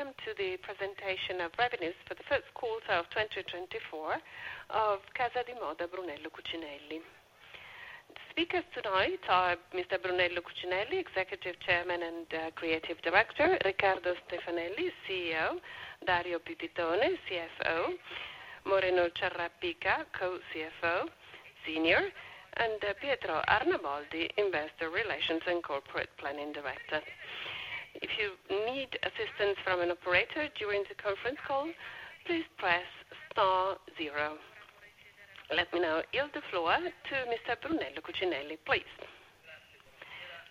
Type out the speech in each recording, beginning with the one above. Welcome to the presentation of revenues for the first quarter of 2024 of Casa di Moda Brunello Cucinelli. Speakers tonight are Mr. Brunello Cucinelli, Executive Chairman and Creative Director, Riccardo Stefanelli, CEO, Dario Pipitone, CFO, Moreno Ciarapica, Co-CFO Senior, and Pietro Arnaboldi, Investor Relations and Corporate Planning Director. If you need assistance from an operator during the conference call, please press star zero. Let me now yield the floor to Mr. Brunello Cucinelli, please.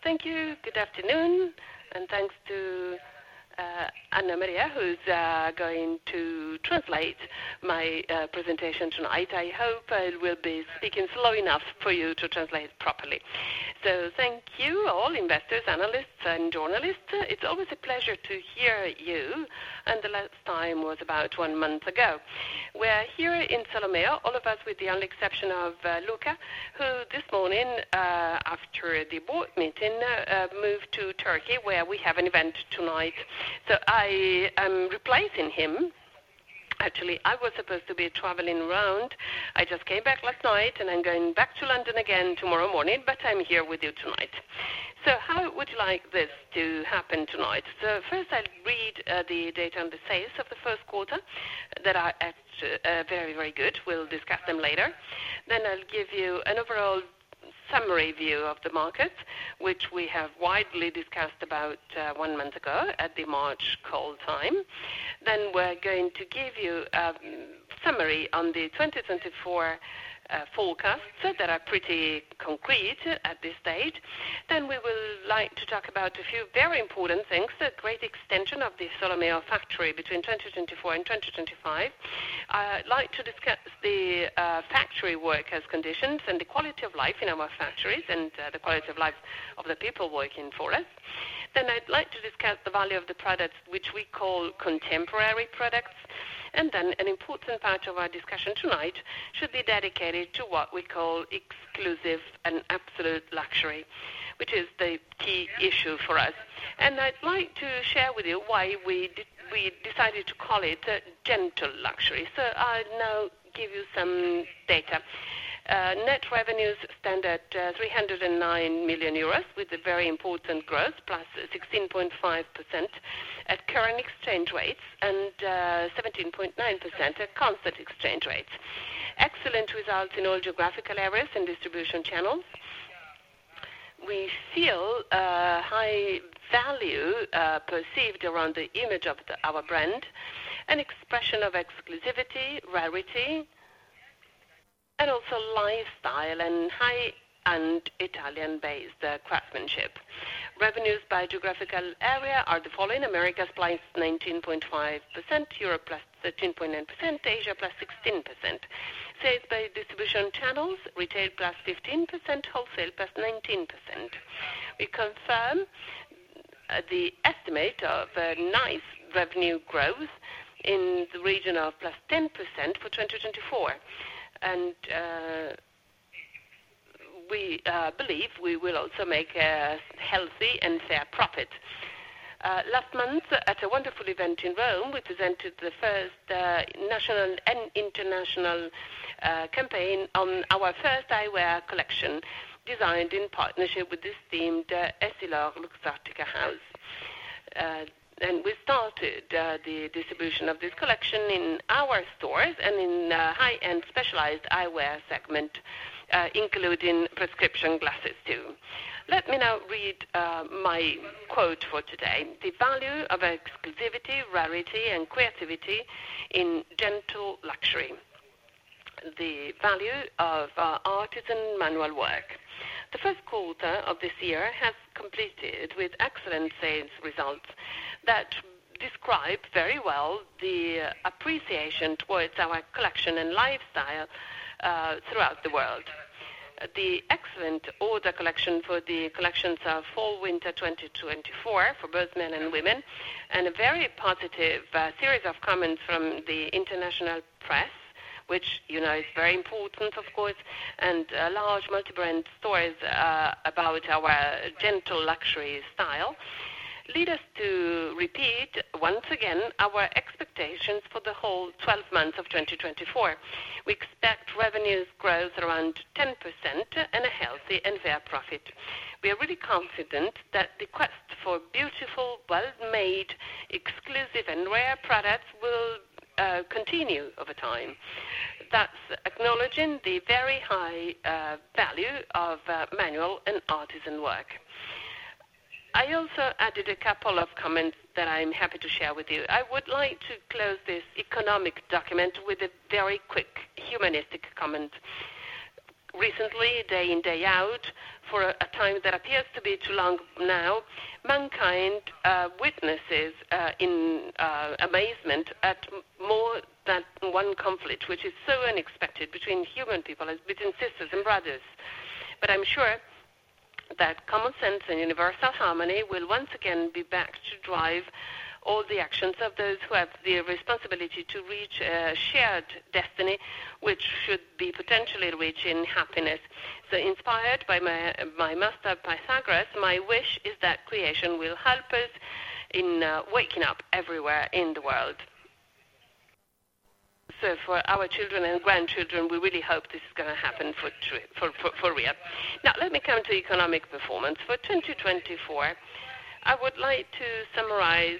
Thank you, good afternoon, and thanks to Anna Maria who's going to translate my presentation tonight. I hope I will be speaking slow enough for you to translate properly. Thank you, all investors, analysts, and journalists. It's always a pleasure to hear you, and the last time was about one month ago. We're here in Solomeo, all of us with the only exception of Luca, who this morning, after the board meeting, moved to Turkey where we have an event tonight. I am replacing him. Actually, I was supposed to be traveling around. I just came back last night, and I'm going back to London again tomorrow morning, but I'm here with you tonight. How would you like this to happen tonight? First, I'll read the data on the sales of the first quarter that are actually very, very good. We'll discuss them later. Then I'll give you an overall summary view of the markets, which we have widely discussed about one month ago at the March call time. Then we're going to give you a summary on the 2024 forecasts that are pretty concrete at this stage. Then we will like to talk about a few very important things, a great extension of the Solomeo factory between 2024 and 2025. I'd like to discuss the factory workers' conditions and the quality of life in our factories and the quality of life of the people working for us. Then I'd like to discuss the value of the products, which we call contemporary products. And then an important part of our discussion tonight should be dedicated to what we call exclusive and absolute luxury, which is the key issue for us. And I'd like to share with you why we decided to call it Gentle Luxury. So I'll now give you some data. Net revenues stand at 309 million euros with a very important growth, +16.5% at current exchange rates and 17.9% at constant exchange rates. Excellent results in all geographical areas and distribution channels. We feel high value perceived around the image of our brand, an expression of exclusivity, rarity, and also lifestyle and high Italian-based craftsmanship. Revenues by geographical area are the following: America +19.5%, Europe +13.9%, Asia +16%. Sales by distribution channels, retail +15%, wholesale +19%. We confirm the estimate of FY revenue growth in the region of +10% for 2024, and we believe we will also make a healthy and fair profit. Last month, at a wonderful event in Rome, we presented the first national and international campaign on our first eyewear collection designed in partnership with the esteemed EssilorLuxottica house. And we started the distribution of this collection in our stores and in the high-end specialized eyewear segment, including prescription glasses too. Let me now read my quote for today: "The value of exclusivity, rarity, and creativity in gentle luxury. The value of artisan manual work." The first quarter of this year has completed with excellent sales results that describe very well the appreciation towards our collection and lifestyle throughout the world. The excellent order collection for the collections of Fall/Winter 2024 for both men and women, and a very positive series of comments from the international press, which is very important, of course, and large multi-brand stores about our gentle luxury style, lead us to repeat once again our expectations for the whole 12 months of 2024. We expect revenues growth around 10% and a healthy and fair profit. We are really confident that the quest for beautiful, well-made, exclusive, and rare products will continue over time. That's acknowledging the very high value of manual and artisan work. I also added a couple of comments that I'm happy to share with you. I would like to close this economic document with a very quick humanistic comment. Recently, day in, day out, for a time that appears to be too long now, mankind witnesses in amazement at more than one conflict, which is so unexpected between human people as between sisters and brothers. But I'm sure that common sense and universal harmony will once again be back to drive all the actions of those who have the responsibility to reach a shared destiny, which should be potentially reaching happiness. So inspired by my master, Pythagoras, my wish is that creation will help us in waking up everywhere in the world. So for our children and grandchildren, we really hope this is going to happen for real. Now, let me come to economic performance. For 2024, I would like to summarize,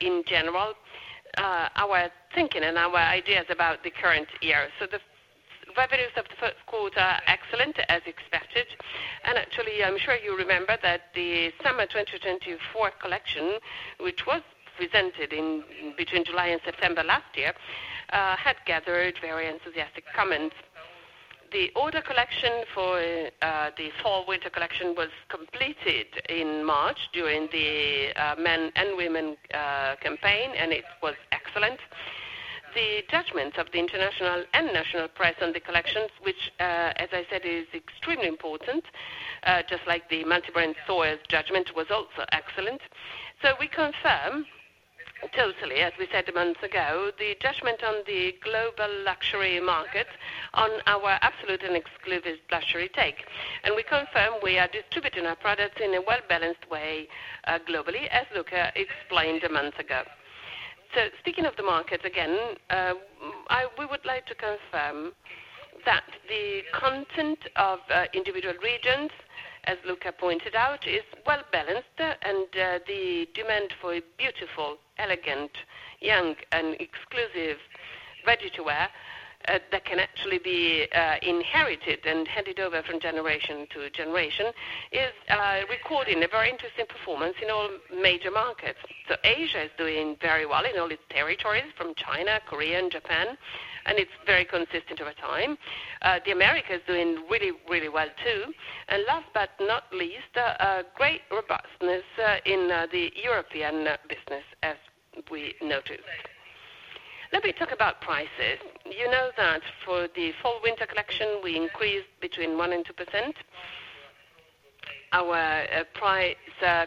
in general, our thinking and our ideas about the current year. The revenues of the first quarter are excellent, as expected. Actually, I'm sure you remember that the Summer 2024 collection, which was presented between July and September last year, had gathered very enthusiastic comments. The order collection for the Fall/Winter collection was completed in March during the men and women campaign, and it was excellent. The judgment of the international and national press on the collections, which, as I said, is extremely important, just like the multi-brand stores' judgment, was also excellent. We confirm totally, as we said a month ago, the judgment on the global luxury market, on our absolute and exclusive luxury take. We confirm we are distributing our products in a well-balanced way globally, as Luca explained a month ago. So speaking of the markets, again, we would like to confirm that the content of individual regions, as Luca pointed out, is well-balanced, and the demand for beautiful, elegant, young, and exclusive ready-to-wear that can actually be inherited and handed over from generation to generation is recording a very interesting performance in all major markets. Asia is doing very well in all its territories, from China, Korea, and Japan, and it's very consistent over time. The America is doing really, really well too. And last but not least, great robustness in the European business, as we noticed. Let me talk about prices. You know that for the Fall/Winter collection, we increased between 1% and 2% our price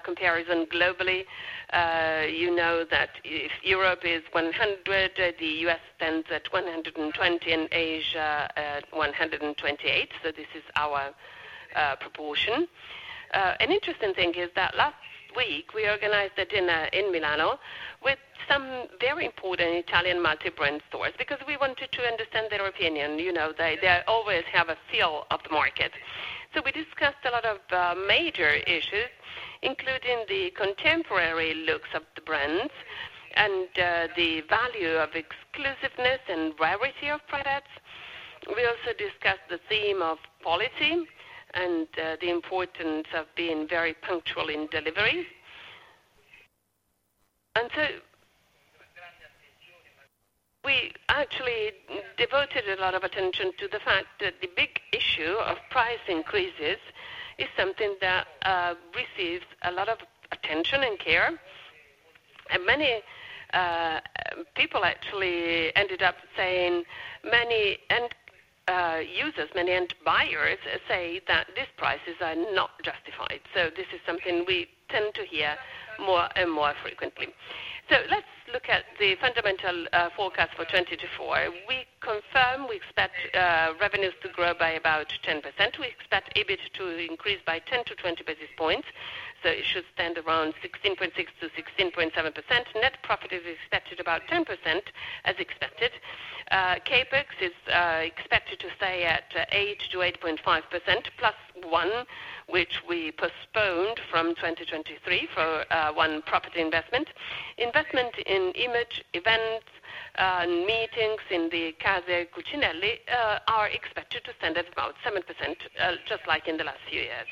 comparison globally. You know that if Europe is 100, the U.S. spends at 120 and Asia at 128. So this is our proportion. An interesting thing is that last week, we organized a dinner in Milan with some very important Italian multi-brand stores because we wanted to understand their opinion. They always have a feel of the market. So we discussed a lot of major issues, including the contemporary looks of the brands and the value of exclusiveness and rarity of products. We also discussed the theme of policy and the importance of being very punctual in delivery. And so we actually devoted a lot of attention to the fact that the big issue of price increases is something that receives a lot of attention and care. And many people actually ended up saying many end users, many end buyers, say that these prices are not justified. So this is something we tend to hear more and more frequently. So let's look at the fundamental forecast for 2024. We confirm we expect revenues to grow by about 10%. We expect EBIT to increase by 10-20 basis points. So it should stand around 16.6%-16.7%. Net profit is expected about 10%, as expected. CapEx is expected to stay at 8%-8.5% +1, which we postponed from 2023 for one property investment. Investment in image events and meetings in the Casa Cucinelli are expected to stand at about 7%, just like in the last few years.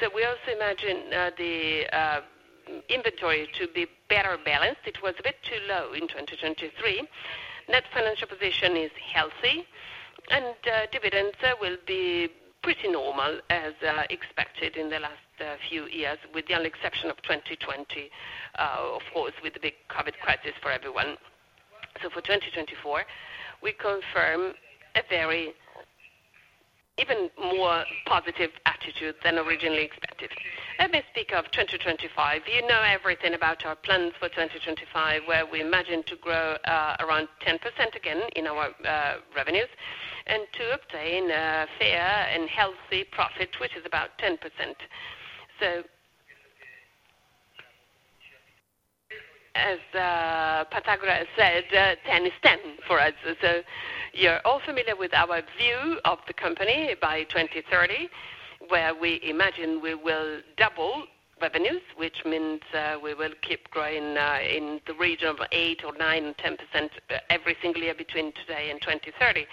So we also imagine the inventory to be better balanced. It was a bit too low in 2023. Net financial position is healthy, and dividends will be pretty normal, as expected in the last few years, with the only exception of 2020, of course, with the big COVID crisis for everyone. So for 2024, we confirm a very even more positive attitude than originally expected. Let me speak of 2025. You know everything about our plans for 2025, where we imagine to grow around 10% again in our revenues and to obtain a fair and healthy profit, which is about 10%. So as Pythagoras said, 10 is 10 for us. So you're all familiar with our view of the company by 2030, where we imagine we will double revenues, which means we will keep growing in the region of 8%, 9%, or 10% every single year between today and 2030.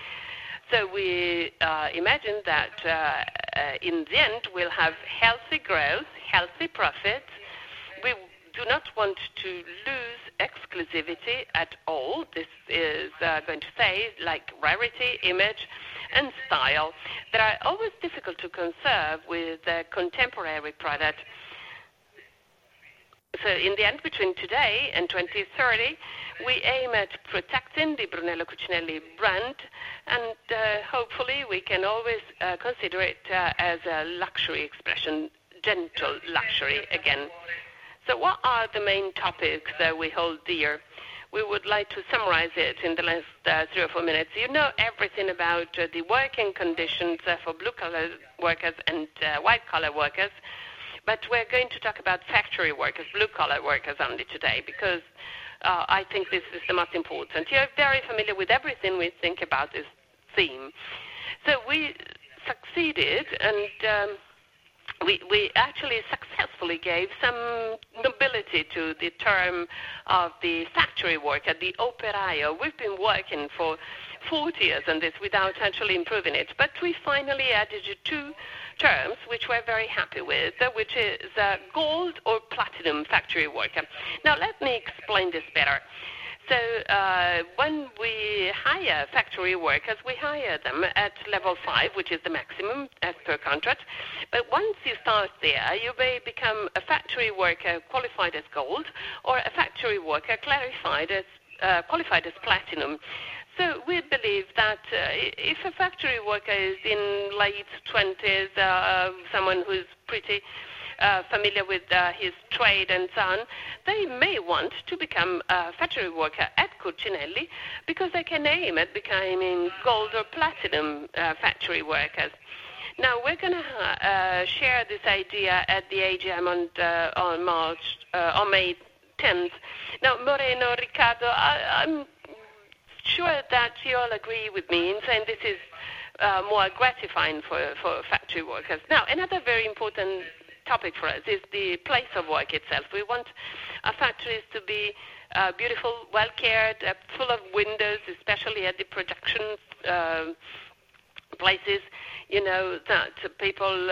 So we imagine that in the end, we'll have healthy growth, healthy profits. We do not want to lose exclusivity at all. This is going to stay like rarity, image, and style that are always difficult to conserve with contemporary products. So in the end, between today and 2030, we aim at protecting the Brunello Cucinelli brand, and hopefully, we can always consider it as a luxury expression, gentle luxury again. So what are the main topics that we hold dear? We would like to summarize it in the last three or four minutes. You know everything about the working conditions for blue-collar workers and white-collar workers, but we're going to talk about factory workers, blue-collar workers only today because I think this is the most important. You're very familiar with everything we think about this theme. So we succeeded, and we actually successfully gave some nobility to the term of the factory worker, the operaio. We've been working for 40 years on this without actually improving it, but we finally added two terms, which we're very happy with, which is gold or platinum factory worker. Now, let me explain this better. So when we hire factory workers, we hire them at level 5, which is the maximum as per contract. But once you start there, you may become a factory worker qualified as gold or a factory worker qualified as platinum. So we believe that if a factory worker is in late 20s, someone who's pretty familiar with his trade and so on, they may want to become a factory worker at Cucinelli because they can aim at becoming gold or platinum factory workers. Now, we're going to share this idea at the AGM on March or May 10th. Now, Moreno, Riccardo, I'm sure that you all agree with me in saying this is more gratifying for factory workers. Now, another very important topic for us is the place of work itself. We want our factories to be beautiful, well-cared, full of windows, especially at the production places. People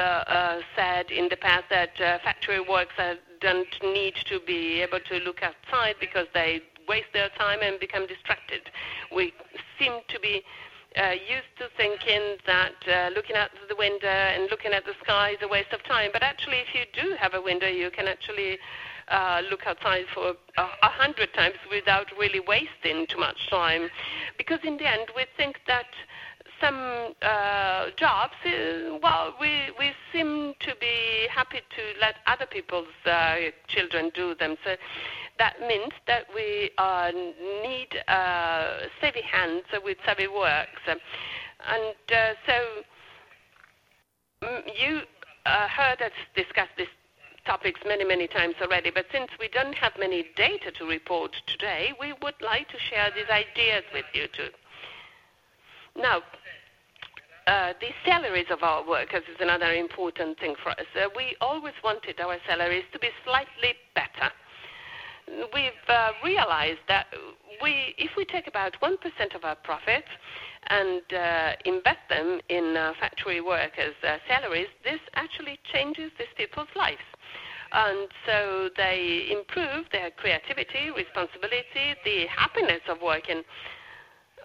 said in the past that factory workers don't need to be able to look outside because they waste their time and become distracted. We seem to be used to thinking that looking out the window and looking at the sky is a waste of time. But actually, if you do have a window, you can actually look outside for 100 times without really wasting too much time because in the end, we think that some jobs, well, we seem to be happy to let other people's children do them. So that means that we need savvy hands with savvy works. And so you heard us discuss these topics many, many times already, but since we don't have many data to report today, we would like to share these ideas with you too. Now, the salaries of our workers is another important thing for us. We always wanted our salaries to be slightly better. We've realized that if we take about 1% of our profits and invest them in factory workers' salaries, this actually changes these people's lives. And so they improve their creativity, responsibility, the happiness of working.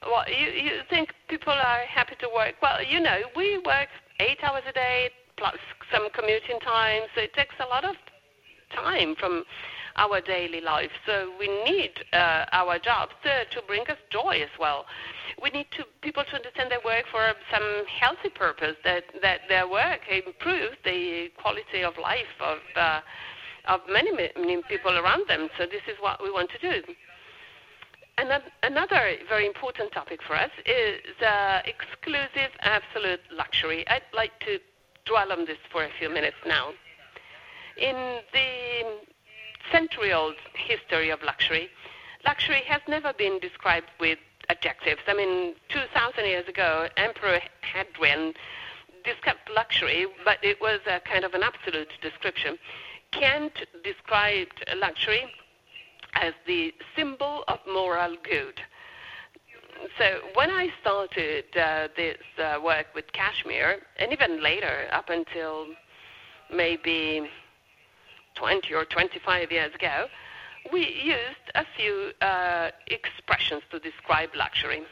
Well, you think people are happy to work. Well, we work eight hours a day, plus some commuting times. It takes a lot of time from our daily life. So we need our jobs to bring us joy as well. We need people to understand they work for some healthy purpose, that their work improves the quality of life of many people around them. So this is what we want to do. And another very important topic for us is exclusive, absolute luxury. I'd like to dwell on this for a few minutes now. In the century-old history of luxury, luxury has never been described with adjectives. I mean, 2,000 years ago, Emperor Hadrian described luxury, but it was kind of an absolute description. Kant described luxury as the symbol of moral good. So when I started this work with cashmere, and even later, up until maybe 20 or 25 years ago, we used a few expressions to describe luxury.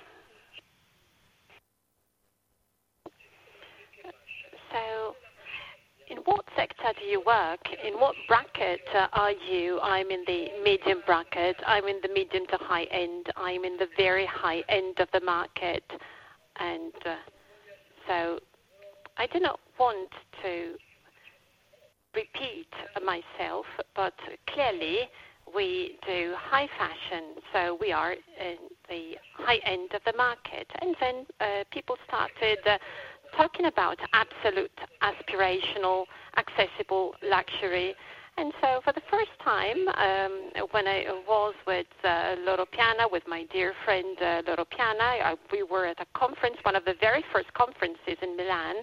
So in what sector do you work? In what bracket are you? I'm in the medium bracket. I'm in the medium to high-end. I'm in the very high-end of the market. And so I do not want to repeat myself, but clearly, we do high fashion. So we are in the high-end of the market. And then people started talking about absolute, aspirational, accessible luxury. For the first time, when I was with Loro Piana, with my dear friend Loro Piana, we were at a conference, one of the very first conferences in Milan,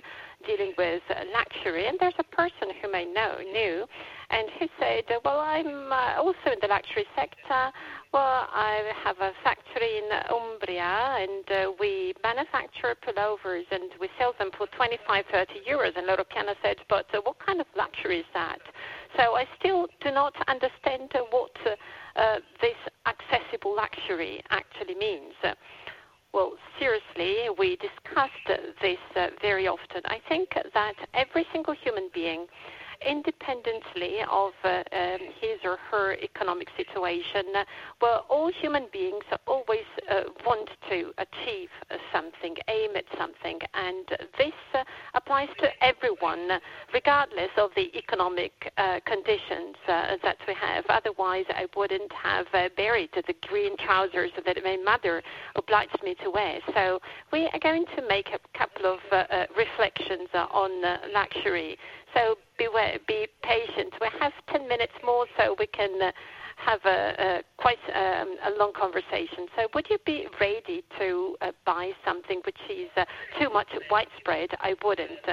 dealing with luxury. And there's a person who I knew, and he said, "Well, I'm also in the luxury sector. Well, I have a factory in Umbria, and we manufacture pullovers, and we sell them for 25-30 euros." And Loro Piana said, "But what kind of luxury is that?" So I still do not understand what this accessible luxury actually means. Well, seriously, we discussed this very often. I think that every single human being, independently of his or her economic situation, well, all human beings always want to achieve something, aim at something. And this applies to everyone, regardless of the economic conditions that we have. Otherwise, I wouldn't have buried the green trousers that my mother obliged me to wear. So we are going to make a couple of reflections on luxury. So be patient. We have 10 minutes more so we can have quite a long conversation. So would you be ready to buy something which is too much widespread? I wouldn't.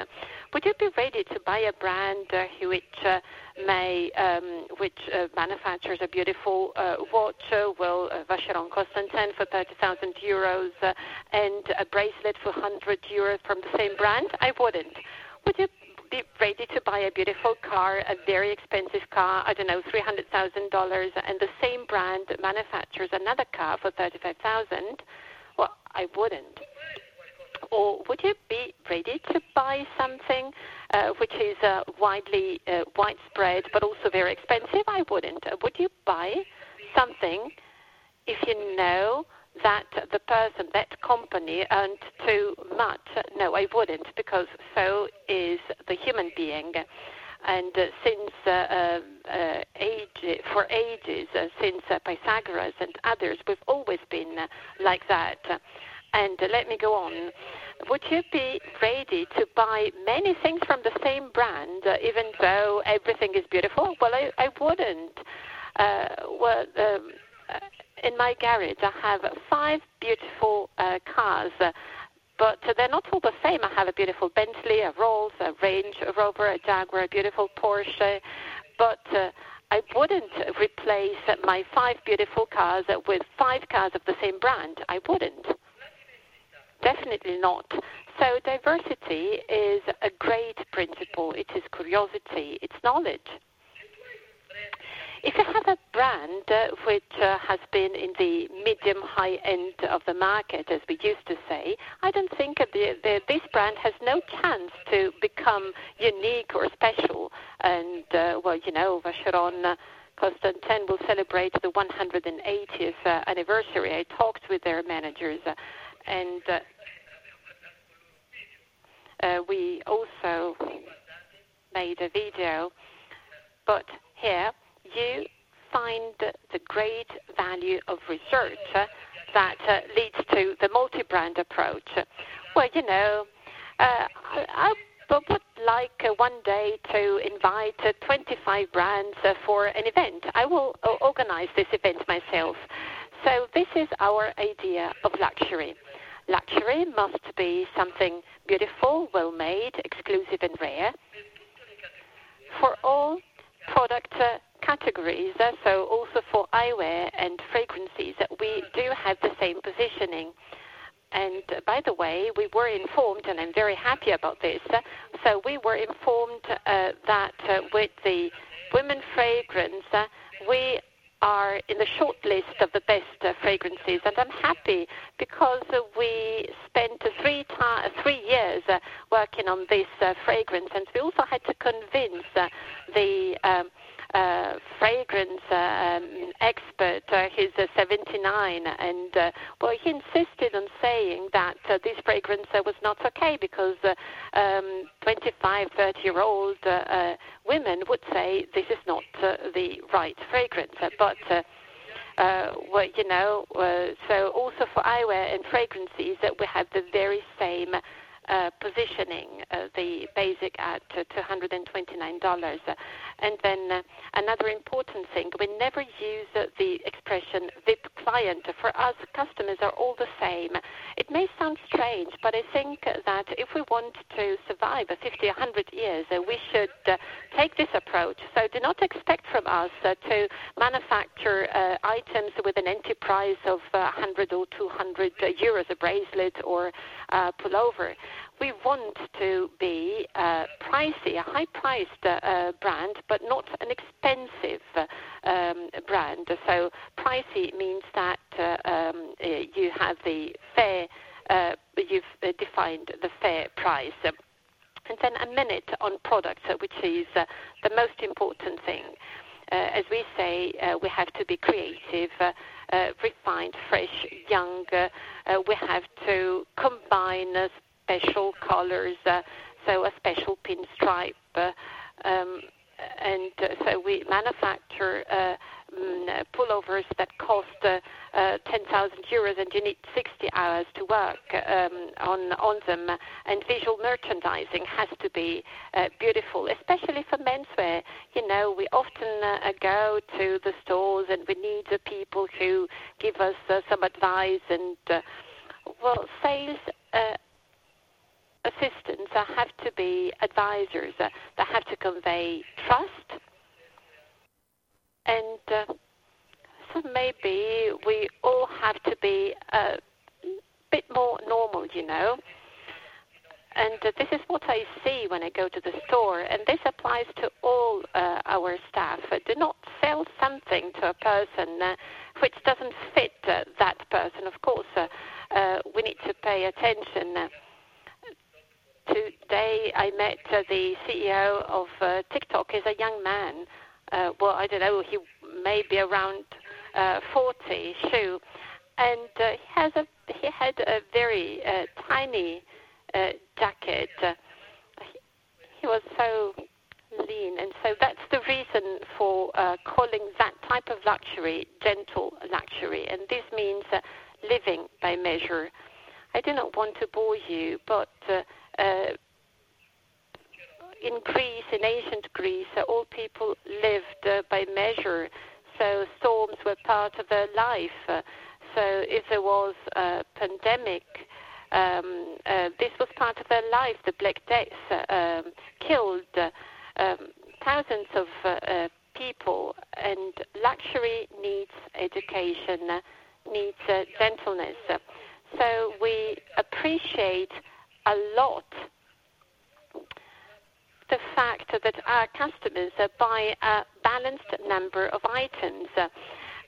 Would you be ready to buy a brand which manufactures a beautiful watch? Well, Vacheron Constantin for 30,000 euros and a bracelet for 100 euros from the same brand? I wouldn't. Would you be ready to buy a beautiful car, a very expensive car, I don't know, $300,000, and the same brand manufactures another car for $35,000? Well, I wouldn't. Or would you be ready to buy something which is widely widespread but also very expensive? I wouldn't. Would you buy something if you know that the person, that company, earned too much? No, I wouldn't because so is the human being. And for ages, since Pythagoras and others, we've always been like that. And let me go on. Would you be ready to buy many things from the same brand, even though everything is beautiful? Well, I wouldn't. Well, in my garage, I have five beautiful cars, but they're not all the same. I have a beautiful Bentley, a Rolls, a Range Rover, a Jaguar, a beautiful Porsche. But I wouldn't replace my five beautiful cars with five cars of the same brand. I wouldn't. Definitely not. So diversity is a great principle. It is curiosity. It's knowledge. If you have a brand which has been in the medium-high-end of the market, as we used to say, I don't think this brand has no chance to become unique or special. Well, Vacheron Constantin will celebrate the 180th anniversary. I talked with their managers, and we also made a video. Here, you find the great value of research that leads to the multi-brand approach. Well, I would like one day to invite 25 brands for an event. I will organize this event myself. This is our idea of luxury. Luxury must be something beautiful, well-made, exclusive, and rare for all product categories, so also for eyewear and fragrances. We do have the same positioning. By the way, we were informed, and I'm very happy about this. We were informed that with the women's fragrance, we are in the short list of the best fragrances. I'm happy because we spent three years working on this fragrance. We also had to convince the fragrance expert. He's 79. Well, he insisted on saying that this fragrance was not okay because 25- and 30-year-old women would say, "This is not the right fragrance." But well, so also for eyewear and fragrances, we have the very same positioning, the basic at $229. Then another important thing, we never use the expression VIP client. For us, customers are all the same. It may sound strange, but I think that if we want to survive 50 or 100 years, we should take this approach. So do not expect from us to manufacture items with an entry price of 100 or 200 euros, a bracelet or pullover. We want to be pricey, a high-priced brand, but not an expensive brand. So, pricey means that you have the fair you've defined the fair price. And then a minute on products, which is the most important thing. As we say, we have to be creative, refined, fresh, young. We have to combine special colors, so a special pinstripe. And so we manufacture pullovers that cost 10,000 euros, and you need 60 hours to work on them. And visual merchandising has to be beautiful, especially for menswear. We often go to the stores, and we need the people who give us some advice. And well, sales assistants have to be advisors. They have to convey trust. And so maybe we all have to be a bit more normal. And this is what I see when I go to the store. And this applies to all our staff. Do not sell something to a person which doesn't fit that person. Of course, we need to pay attention. Today, I met the CEO of TikTok. He's a young man. Well, I don't know. He may be around 40, Shou. And he had a very tiny jacket. He was so lean. And so that's the reason for calling that type of luxury gentle luxury. And this means living by measure. I do not want to bore you, but in Greece, in ancient Greece, all people lived by measure. So storms were part of their life. So if there was a pandemic, this was part of their life. The Black Death killed thousands of people. And luxury needs education, needs gentleness. So we appreciate a lot the fact that our customers buy a balanced number of items.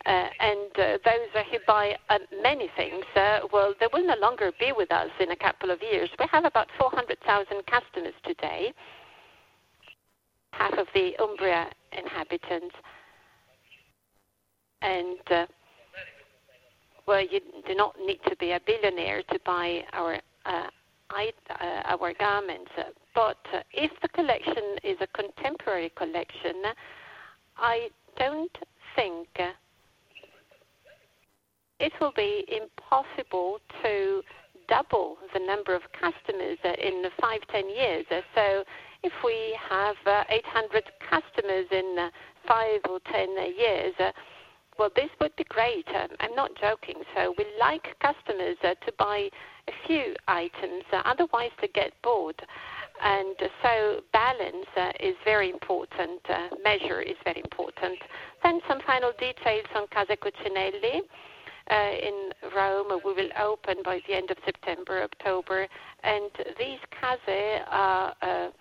And those who buy many things, well, they will no longer be with us in a couple of years. We have about 400,000 customers today, half of the Umbria inhabitants. Well, you do not need to be a billionaire to buy our garments. But if the collection is a contemporary collection, I don't think it will be impossible to double the number of customers in five, 10 years. So if we have 800 customers in five or 10 years, well, this would be great. I'm not joking. So we like customers to buy a few items, otherwise to get bored. And so balance is very important. Measure is very important. Then some final details on Casa Cucinelli in Rome. We will open by the end of September, October. And these Casas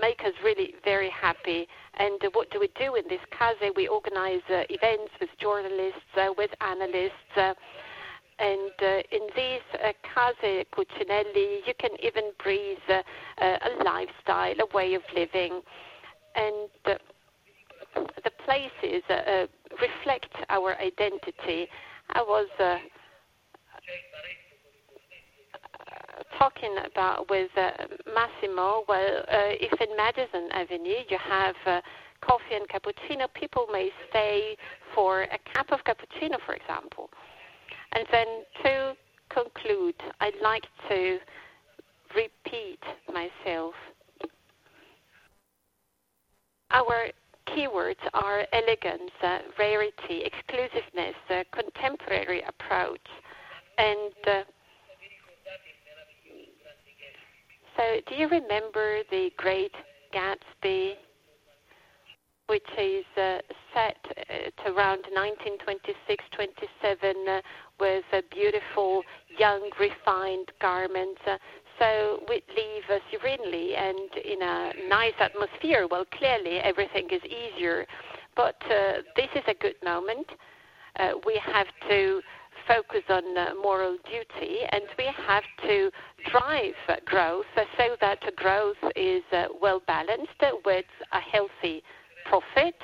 make us really very happy. And what do we do in this Casa? We organize events with journalists, with analysts. And in these Casas Cucinelli, you can even breathe a lifestyle, a way of living. The places reflect our identity. I was talking about with Massimo. Well, if in Madison Avenue, you have coffee and cappuccino, people may stay for a cup of cappuccino, for example. Then to conclude, I'd like to repeat myself. Our keywords are elegance, rarity, exclusiveness, contemporary approach. So do you remember The Great Gatsby, which is set around 1926, 1927 with beautiful, young, refined garments? So we leave serenely and in a nice atmosphere. Well, clearly, everything is easier. But this is a good moment. We have to focus on moral duty, and we have to drive growth so that growth is well-balanced with a healthy profit.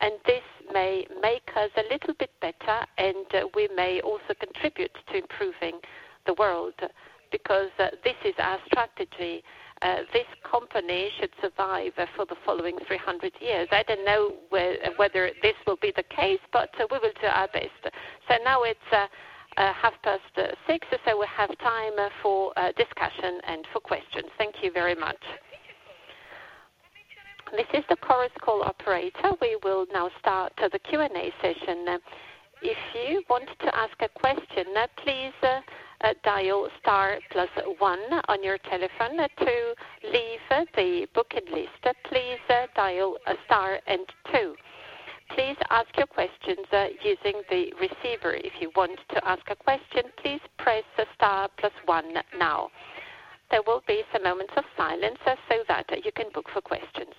And this may make us a little bit better, and we may also contribute to improving the world because this is our strategy. This company should survive for the following 300 years. I don't know whether this will be the case, but we will do our best. So now it's 6:30 p.m., so we have time for discussion and for questions. Thank you very much. This is the Chorus Call operator. We will now start the Q&A session. If you want to ask a question, please dial star plus one on your telephone. To leave the queue list, please dial star and two. Please ask your questions using the receiver. If you want to ask a question, please press star plus one now. There will be some moments of silence so that you can queue for questions.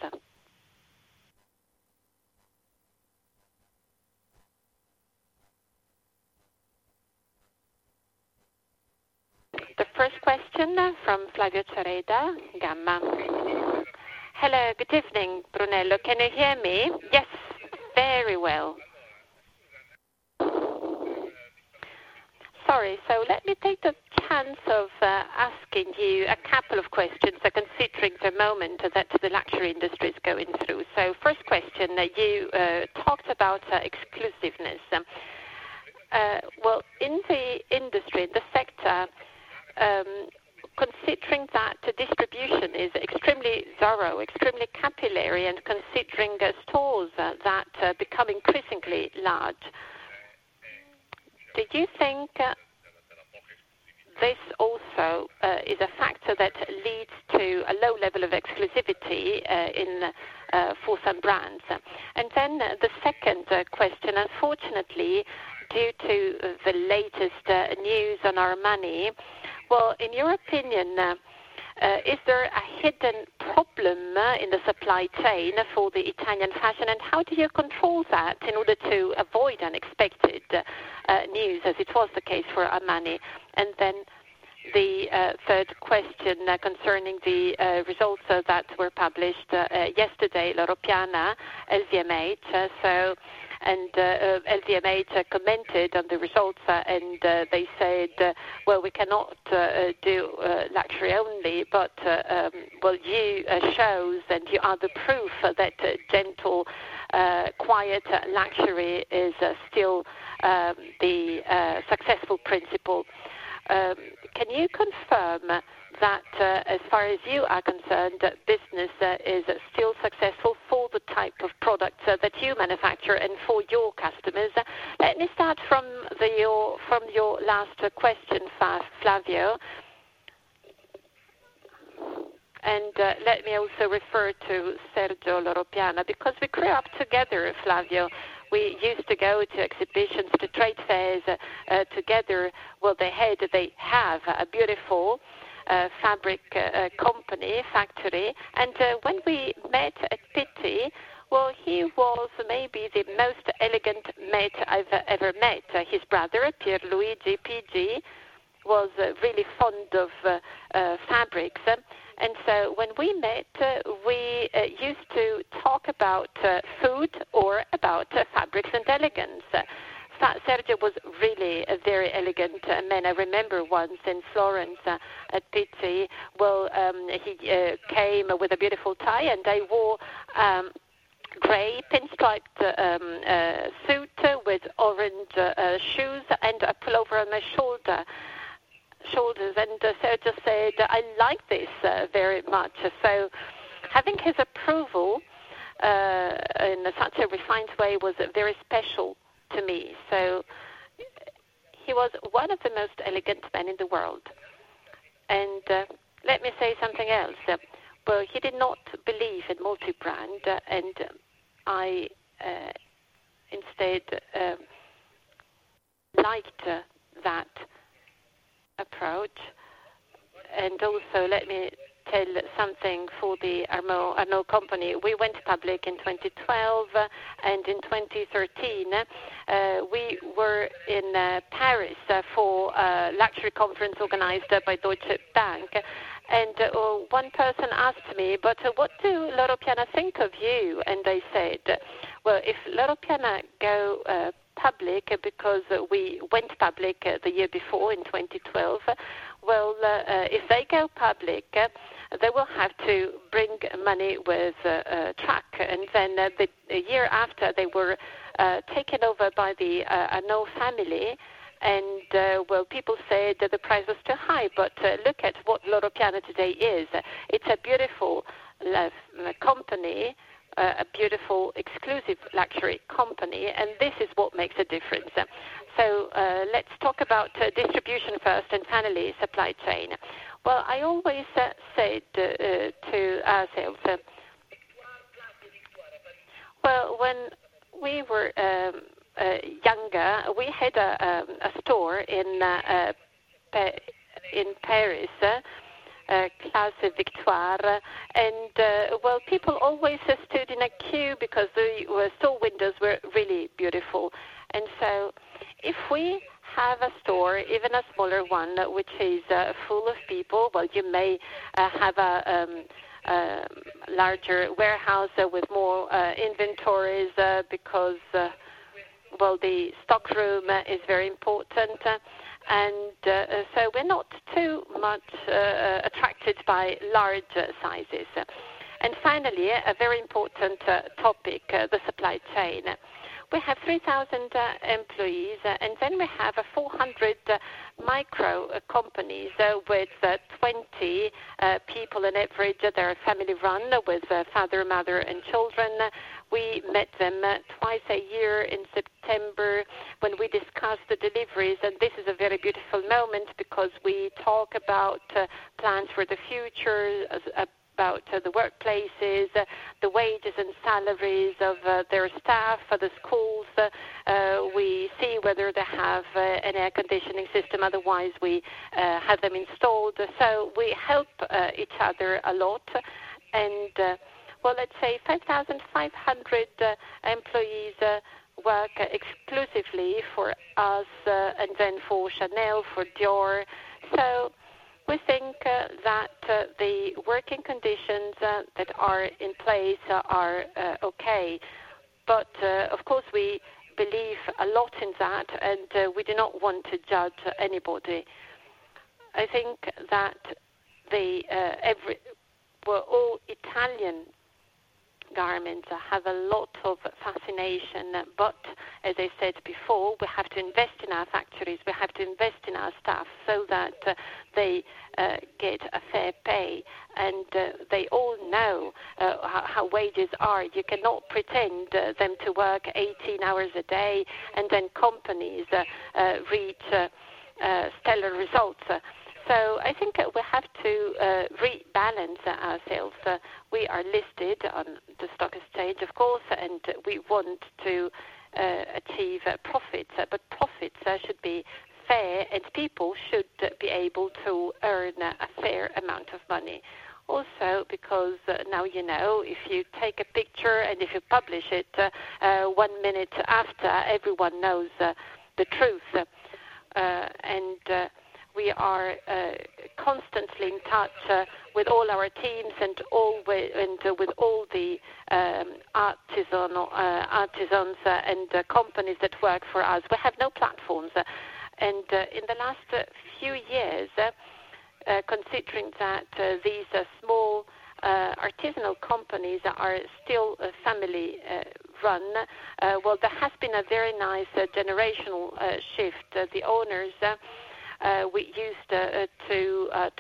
The first question from Flavio Cereda, GAM. Hello. Good evening, Brunello. Can you hear me? Yes, very well. Sorry. So let me take the chance of asking you a couple of questions considering the moment that the luxury industry is going through. First question, you talked about exclusiveness. Well, in the industry, in the sector, considering that distribution is extremely thorough, extremely capillary, and considering stores that become increasingly large, do you think this also is a factor that leads to a low level of exclusivity for some brands? Then the second question, unfortunately, due to the latest news on Armani, well, in your opinion, is there a hidden problem in the supply chain for the Italian fashion? And how do you control that in order to avoid unexpected news as it was the case for Armani? Then the third question concerning the results that were published yesterday, Loro Piana, LVMH, and LVMH commented on the results. And they said, "Well, we cannot do luxury only, but well, you shows, and you are the proof that gentle, quiet luxury is still the successful principle." Can you confirm that as far as you are concerned, business is still successful for the type of products that you manufacture and for your customers? Let me start from your last question, Flavio. And let me also refer to Sergio Loro Piana because we grew up together, Flavio. We used to go to exhibitions, to trade fairs together. Well, they have a beautiful fabric company, factory. And when we met at Pitti, well, he was maybe the most elegant man I've ever met. His brother, Pier Luigi Loro Piana, PG, was really fond of fabrics. And so when we met, we used to talk about food or about fabrics and elegance. Sergio was really a very elegant man. I remember once in Florence at Pitti. Well, he came with a beautiful tie, and I wore a gray pinstriped suit with orange shoes and a pullover on my shoulders. Sergio said, "I like this very much." So having his approval in such a refined way was very special to me. He was one of the most elegant men in the world. Let me say something else. Well, he did not believe in multi-brand, and I instead liked that approach. Also, let me tell something for the Arnault company. We went public in 2012. In 2013, we were in Paris for a luxury conference organized by Deutsche Bank. And one person asked me, "But what do Loro Piana think of you?" And I said, "Well, if Loro Piana go public because we went public the year before in 2012, well, if they go public, they will have to bring money with track." And then the year after, they were taken over by the Arnault family. And well, people said the price was too high. But look at what Loro Piana today is. It's a beautiful company, a beautiful, exclusive luxury company. And this is what makes a difference. So let's talk about distribution first and finally supply chain. Well, I always said to ourselves, well, when we were younger, we had a store in Paris, Place des Victoires. And well, people always stood in a queue because the store windows were really beautiful. And so if we have a store, even a smaller one, which is full of people, well, you may have a larger warehouse with more inventories because, well, the stockroom is very important. And so we're not too much attracted by large sizes. And finally, a very important topic, the supply chain. We have 3,000 employees, and then we have 400 micro companies with 20 people on average. They're a family run with father, mother, and children. We met them twice a year in September when we discussed the deliveries. And this is a very beautiful moment because we talk about plans for the future, about the workplaces, the wages and salaries of their staff, the schools. We see whether they have an air conditioning system. Otherwise, we have them installed. So we help each other a lot. Well, let's say 5,500 employees work exclusively for us and then for Chanel, for Dior. So we think that the working conditions that are in place are okay. But of course, we believe a lot in that, and we do not want to judge anybody. I think that we're all Italian garments, have a lot of fascination. But as I said before, we have to invest in our factories. We have to invest in our staff so that they get a fair pay. And they all know how wages are. You cannot pretend them to work 18 hours a day, and then companies reach stellar results. So I think we have to rebalance ourselves. We are listed on the stock exchange, of course, and we want to achieve profits. But profits should be fair, and people should be able to earn a fair amount of money also because now you know if you take a picture and if you publish it, one minute after, everyone knows the truth. And we are constantly in touch with all our teams and with all the artisans and companies that work for us. We have no platforms. And in the last few years, considering that these small artisanal companies are still family run, well, there has been a very nice generational shift. The owners we used to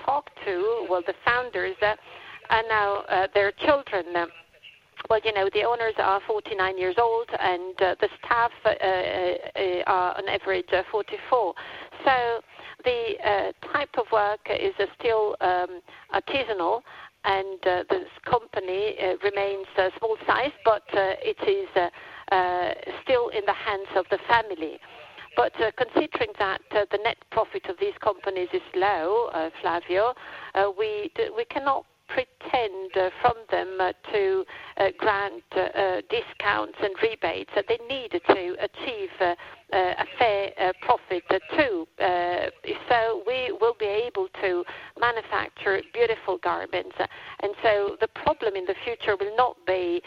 talk to, well, the founders, are now their children. Well, the owners are 49 years old, and the staff are on average 44. So the type of work is still artisanal, and this company remains small-sized, but it is still in the hands of the family. But considering that the net profit of these companies is low, Flavio, we cannot pretend from them to grant discounts and rebates. They need to achieve a fair profit too. So we will be able to manufacture beautiful garments. And so the problem in the future will not be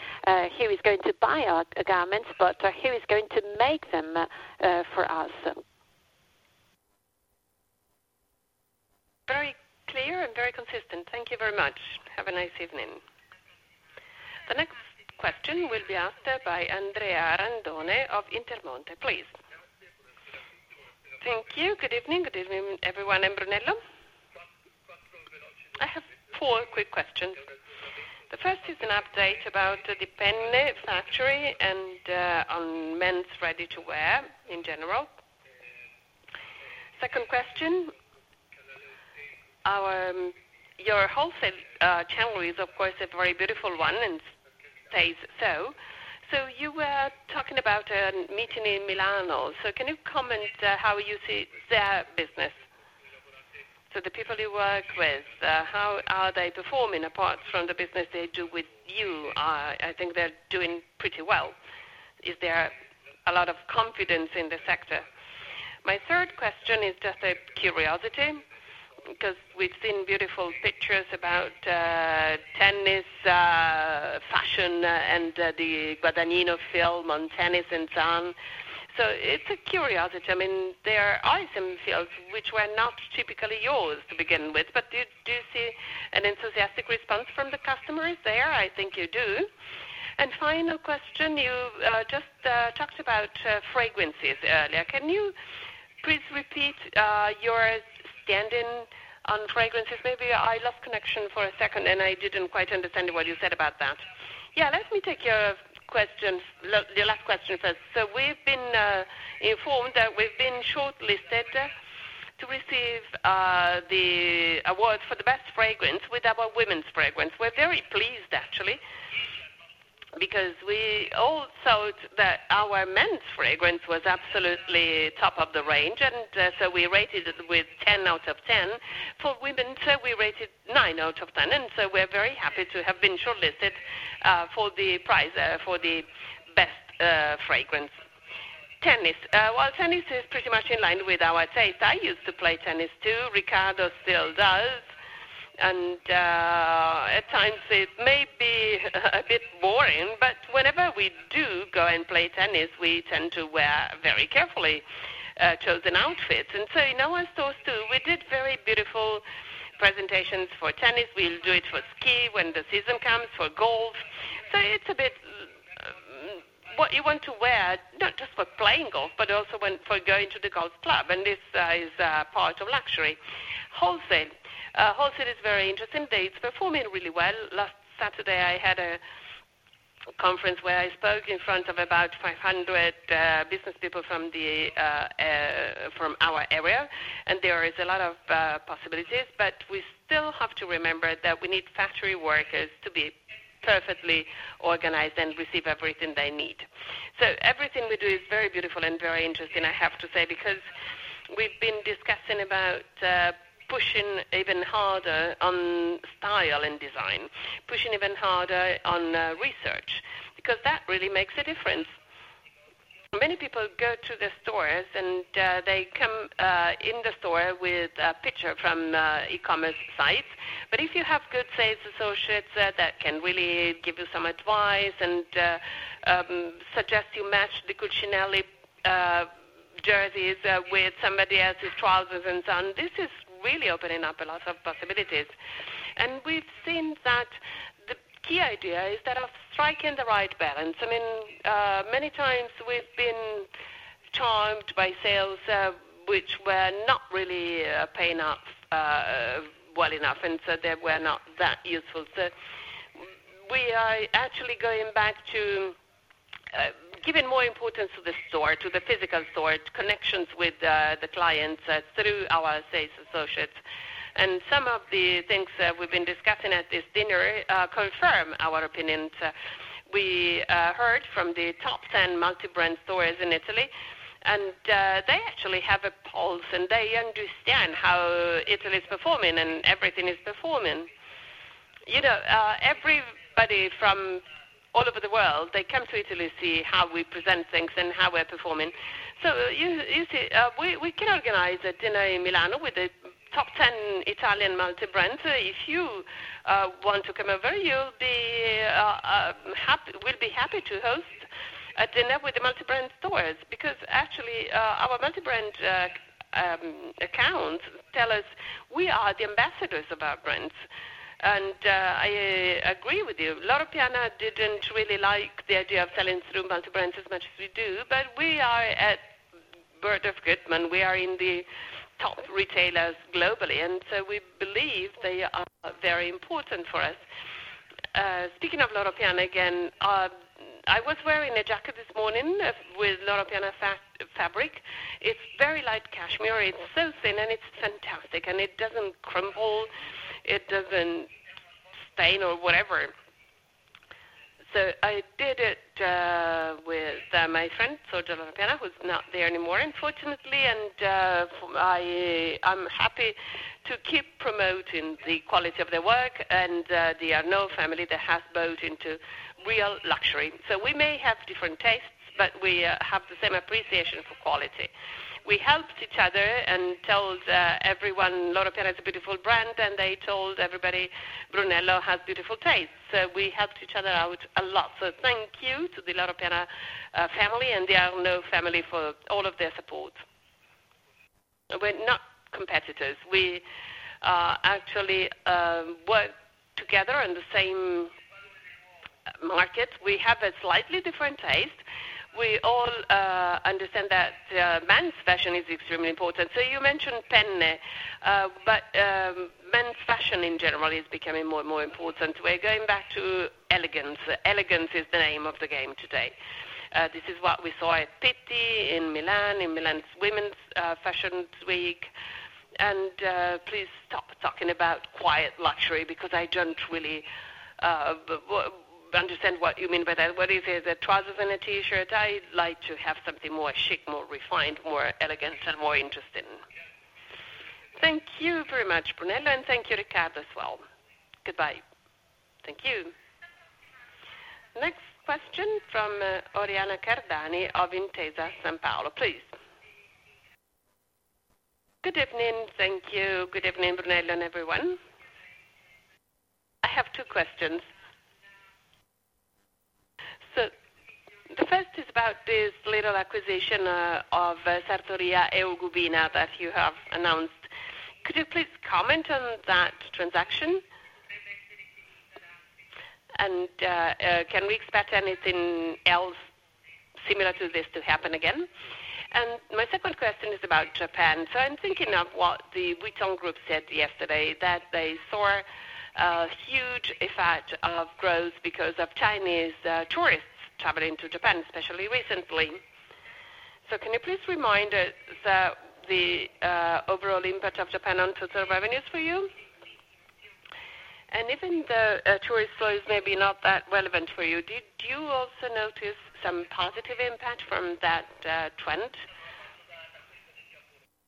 who is going to buy our garments, but who is going to make them for us. Very clear and very consistent. Thank you very much. Have a nice evening. The next question will be asked by Andrea Randone of Intermonte. Please. Thank you. Good evening. Good evening, everyone. I'm Brunello. I have four quick questions. The first is an update about Penne factory and on men's ready-to-wear in general. Second question, your wholesale channel is, of course, a very beautiful one and stays so. So you were talking about a meeting in Milano. So can you comment how you see their business? So the people you work with, how are they performing apart from the business they do with you? I think they're doing pretty well. Is there a lot of confidence in the sector? My third question is just a curiosity because we've seen beautiful pictures about tennis, fashion, and the Guadagnino film on tennis and so on. So it's a curiosity. I mean, there are some fields which were not typically yours to begin with, but do you see an enthusiastic response from the customers there? I think you do. And final question, you just talked about fragrances earlier. Can you please repeat your standing on fragrances? Maybe I lost connection for a second, and I didn't quite understand what you said about that. Yeah, let me take your last question first. So we've been informed that we've been shortlisted to receive the award for the best fragrance with our women's fragrance. We're very pleased, actually, because we all thought that our men's fragrance was absolutely top of the range. And so we rated it with 10 out of 10. For women, we rated 9 out of 10. And so we're very happy to have been shortlisted for the prize for the best fragrance. Tennis. Well, tennis is pretty much in line with our taste. I used to play tennis too. Riccardo still does. And at times, it may be a bit boring. But whenever we do go and play tennis, we tend to wear very carefully chosen outfits. And so in our stores too, we did very beautiful presentations for tennis. We'll do it for ski when the season comes, for golf. So it's a bit what you want to wear, not just for playing golf, but also for going to the golf club. And this is part of luxury. Wholesale. Wholesale is very interesting. They're performing really well. Last Saturday, I had a conference where I spoke in front of about 500 business people from our area. And there is a lot of possibilities. But we still have to remember that we need factory workers to be perfectly organized and receive everything they need. So everything we do is very beautiful and very interesting, I have to say, because we've been discussing about pushing even harder on style and design, pushing even harder on research because that really makes a difference. Many people go to the stores, and they come in the store with a picture from e-commerce sites. But if you have good sales associates that can really give you some advice and suggest you match the Cucinelli jerseys with somebody else's trousers and so on, this is really opening up a lot of possibilities. And we've seen that the key idea is that of striking the right balance. I mean, many times, we've been charmed by sales which were not really paying off well enough, and so they were not that useful. So we are actually going back to giving more importance to the store, to the physical store, connections with the clients through our sales associates. And some of the things we've been discussing at this dinner confirm our opinions. We heard from the top 10 multi-brand stores in Italy. And they actually have a pulse, and they understand how Italy is performing and everything is performing. Everybody from all over the world, they come to Italy to see how we present things and how we're performing. So you see, we can organize a dinner in Milan with the top 10 Italian multi-brands. If you want to come over, you'll be happy to host a dinner with the multi-brand stores because actually, our multi-brand accounts tell us we are the ambassadors of our brands. And I agree with you. Loro Piana didn't really like the idea of selling through multi-brands as much as we do. But we are at Bergdorf Goodman. We are in the top retailers globally. And so we believe they are very important for us. Speaking of Loro Piana, again, I was wearing a jacket this morning with Loro Piana fabric. It's very light cashmere. It's so thin, and it's fantastic. And it doesn't crumble. It doesn't stain or whatever. So I did it with my friend, Sergio Loro Piana, who's not there anymore, unfortunately. And I'm happy to keep promoting the quality of their work. And the Arnault family, they have bought into real luxury. So we may have different tastes, but we have the same appreciation for quality. We helped each other and told everyone Loro Piana is a beautiful brand, and they told everybody Brunello has beautiful tastes. So we helped each other out a lot. So thank you to the Loro Piana family and the Arnault family for all of their support. We're not competitors. We actually work together in the same market. We have a slightly different taste. We all understand that men's fashion is extremely important. So you mentioned Penne, but men's fashion in general is becoming more and more important. We're going back to elegance. Elegance is the name of the game today. This is what we saw at Pitti in Milan, in Milan's Women's Fashion Week. And please stop talking about quiet luxury because I don't really understand what you mean by that. What is it? Trousers and a T-shirt? I'd like to have something more chic, more refined, more elegant, and more interesting. Thank you very much, Brunello. And thank you, Riccardo, as well. Goodbye. Thank you. Next question from Oriana Cardani of Intesa Sanpaolo. Please. Good evening. Thank you. Good evening, Brunello, and everyone. I have two questions. So the first is about this little acquisition of Sartoria Eugubina that you have announced. Could you please comment on that transaction? And can we expect anything else similar to this to happen again? And my second question is about Japan. So I'm thinking of what the Vuitton group said yesterday, that they saw a huge effect of growth because of Chinese tourists traveling to Japan, especially recently. So can you please remind us the overall impact of Japan on total revenues for you? And even though tourist flows may be not that relevant for you, did you also notice some positive impact from that trend?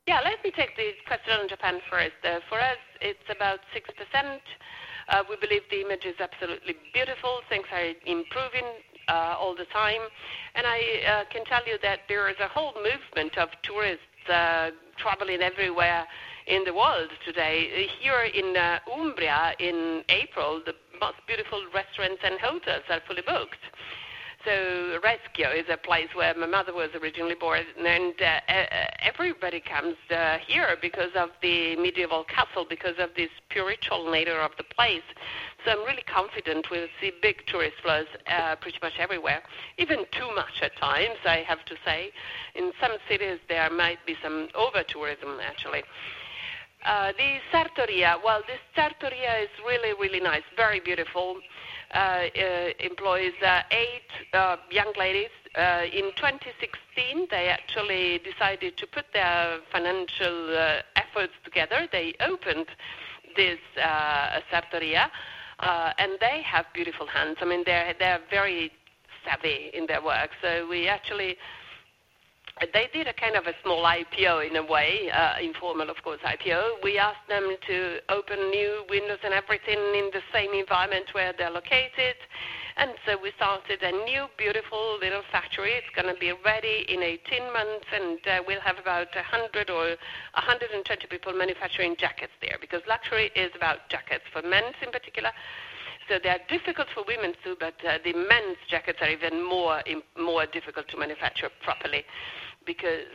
Yeah, let me take this question on Japan first. For us, it's about 6%. We believe the image is absolutely beautiful. Things are improving all the time. And I can tell you that there is a whole movement of tourists traveling everywhere in the world today. Here in Umbria, in April, the most beautiful restaurants and hotels are fully booked. So Reschio is a place where my mother was originally born. Everybody comes here because of the medieval castle, because of this spiritual nature of the place. So I'm really confident we'll see big tourist flows pretty much everywhere, even too much at times, I have to say. In some cities, there might be some overtourism. Actually, the Sartoria, well, this Sartoria is really, really nice, very beautiful. Employs eight young ladies. In 2016, they actually decided to put their financial efforts together. They opened this Sartoria, and they have beautiful hands. I mean, they're very savvy in their work. So they did a kind of a small IPO in a way, informal, of course, IPO. We asked them to open new windows and everything in the same environment where they're located. And so we started a new, beautiful little factory. It's going to be ready in 18 months, and we'll have about 100 or 120 people manufacturing jackets there because luxury is about jackets, for men in particular. So they're difficult for women too, but the men's jackets are even more difficult to manufacture properly because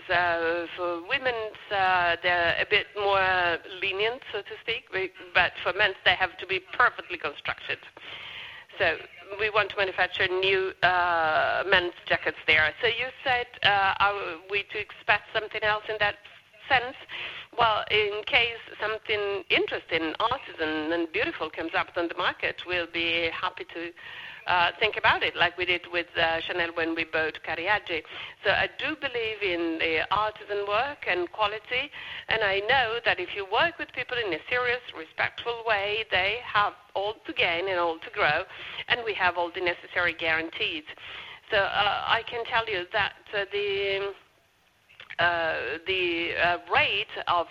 for women, they're a bit more lenient, so to speak. But for men, they have to be perfectly constructed. So we want to manufacture new men's jackets there. So you said are we to expect something else in that sense? Well, in case something interesting, artisan, and beautiful comes up on the market, we'll be happy to think about it like we did with Chanel when we bought Cariaggi. So I do believe in the artisan work and quality. I know that if you work with people in a serious, respectful way, they have all to gain and all to grow, and we have all the necessary guarantees. So I can tell you that the rate of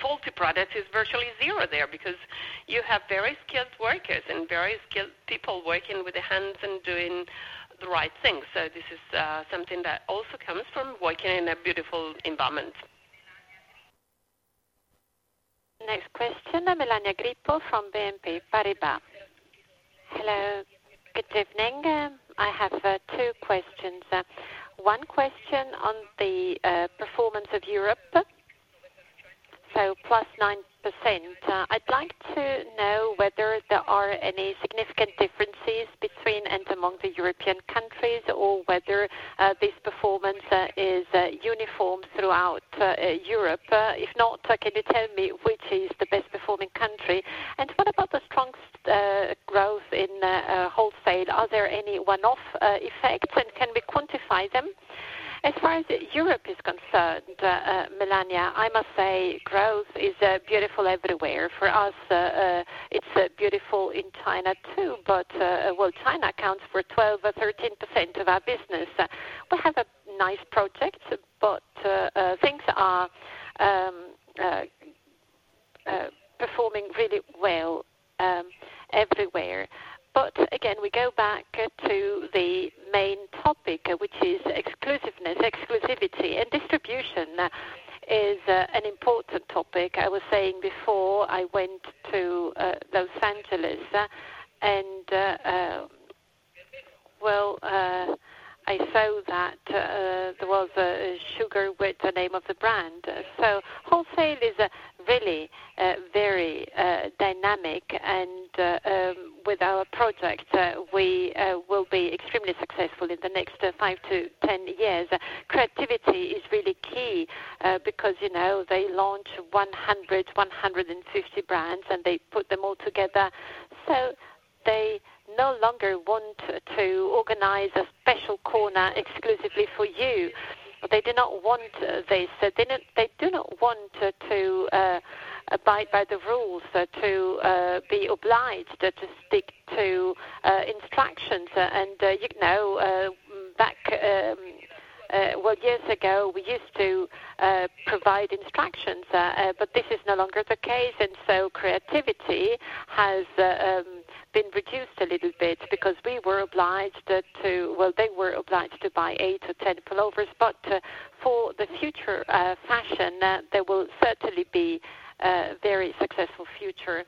faulty products is virtually zero there because you have very skilled workers and very skilled people working with the hands and doing the right things. So this is something that also comes from working in a beautiful environment. Next question, Melania Grippo from BNP Paribas. Hello. Good evening. I have two questions. One question on the performance of Europe, so +9%. I'd like to know whether there are any significant differences between and among the European countries or whether this performance is uniform throughout Europe. If not, can you tell me which is the best-performing country? And what about the strongest growth in wholesale? Are there any one-off effects, and can we quantify them? As far as Europe is concerned, Melania, I must say growth is beautiful everywhere. For us, it's beautiful in China too. But, well, China accounts for 12% or 13% of our business. We have a nice project, but things are performing really well everywhere. But again, we go back to the main topic, which is exclusiveness. Exclusivity and distribution is an important topic. I was saying before I went to Los Angeles, and, well, I saw that there was Sugar with the name of the brand. So wholesale is really very dynamic. And with our project, we will be extremely successful in the next 5-10 years. Creativity is really key because they launch 100-150 brands, and they put them all together. So they no longer want to organize a special corner exclusively for you. They do not want this. They do not want to abide by the rules, to be obliged to stick to instructions. Back, well, years ago, we used to provide instructions, but this is no longer the case. So creativity has been reduced a little bit because we were obliged to, well, they were obliged to buy eight or 10 pullovers. But for the future fashion, there will certainly be a very successful future.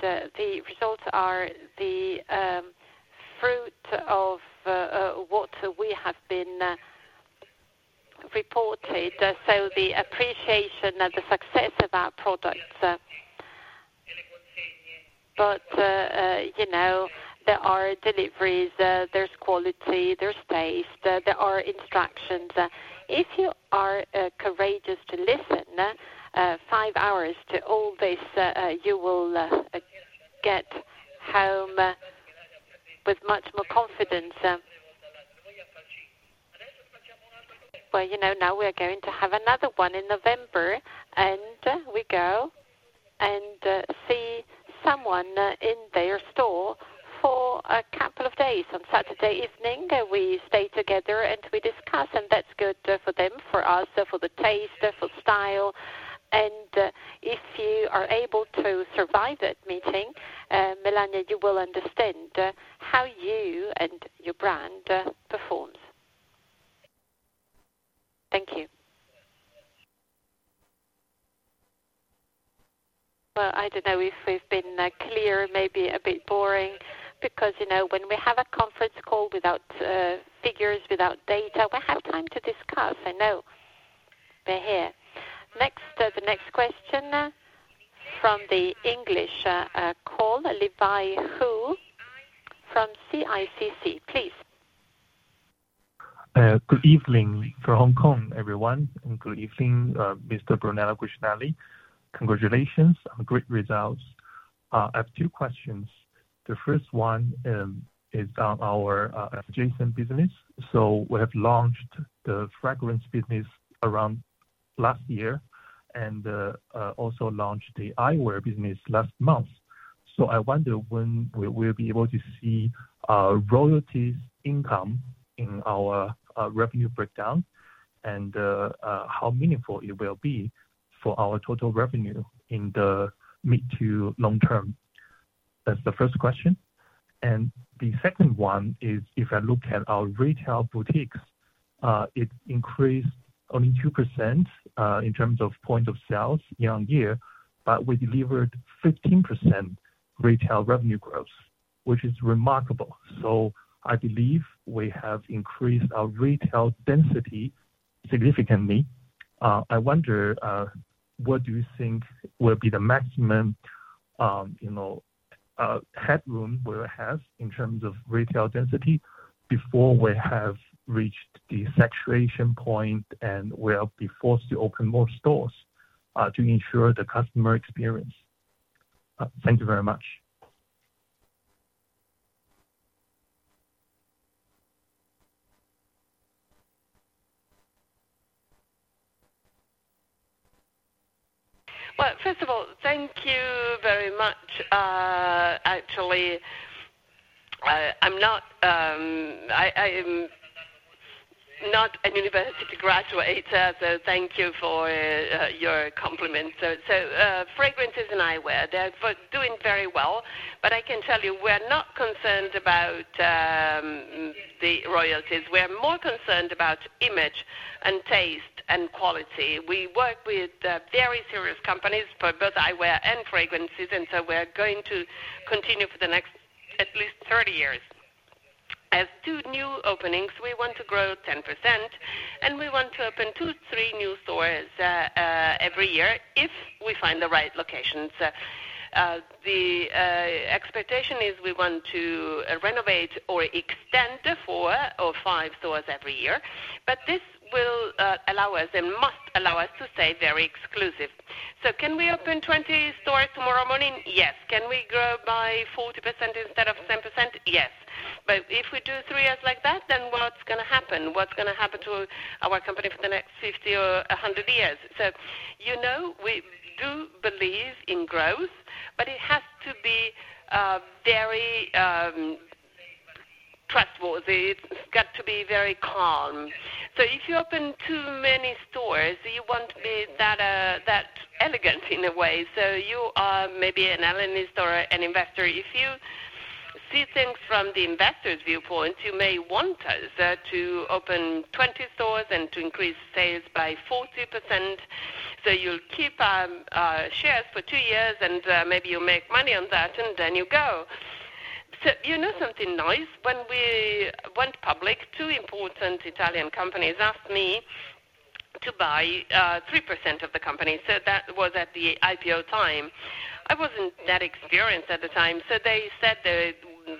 The results are the fruit of what we have been reported, so the appreciation of the success of our products. But there are deliveries. There's quality. There's taste. There are instructions. If you are courageous to listen five hours to all this, you will get home with much more confidence. Well, now we're going to have another one in November, and we go and see someone in their store for a couple of days. On Saturday evening, we stay together, and we discuss. And that's good for them, for us, for the taste, for style. And if you are able to survive that meeting, Melania, you will understand how you and your brand performs. Thank you. Well, I don't know if we've been clear, maybe a bit boring because when we have a conference call without figures, without data, we have time to discuss. I know. We're here. The next question from the English call, Levi Hu from CICC. Please. Good evening from Hong Kong, everyone. And good evening, Mr. Brunello Cucinelli. Congratulations on great results. I have two questions. The first one is on our adjacent business. So we have launched the fragrance business around last year and also launched the eyewear business last month. So I wonder when we'll be able to see royalties income in our revenue breakdown and how meaningful it will be for our total revenue in the mid- to long-term. That's the first question. And the second one is if I look at our retail boutiques, it increased only 2% in terms of points of sale year-on-year, but we delivered 15% retail revenue growth, which is remarkable. So I believe we have increased our retail density significantly. I wonder, what do you think will be the maximum headroom we will have in terms of retail density before we have reached the saturation point, and we'll be forced to open more stores to ensure the customer experience? Thank you very much. Well, first of all, thank you very much. Actually, I'm not a university graduate, so thank you for your compliment. So fragrances and eyewear, they're doing very well. But I can tell you, we're not concerned about the royalties. We're more concerned about image and taste and quality. We work with very serious companies for both eyewear and fragrances, and so we're going to continue for the next at least 30 years. As two new openings, we want to grow 10%, and we want to open two, three new stores every year if we find the right locations. The expectation is we want to renovate or extend four or five stores every year. But this will allow us and must allow us to stay very exclusive. So can we open 20 stores tomorrow morning? Yes. Can we grow by 40% instead of 10%? Yes. But if we do three years like that, then what's going to happen? What's going to happen to our company for the next 50 or 100 years? So we do believe in growth, but it has to be very trustworthy. It's got to be very calm. So if you open too many stores, you won't be that elegant in a way. So you are maybe an analyst or an investor. If you see things from the investor's viewpoint, you may want us to open 20 stores and to increase sales by 40%. So you'll keep shares for two years, and maybe you'll make money on that, and then you go. So you know something nice? When we went public, two important Italian companies asked me to buy 3% of the company. So that was at the IPO time. I wasn't that experienced at the time. So they said that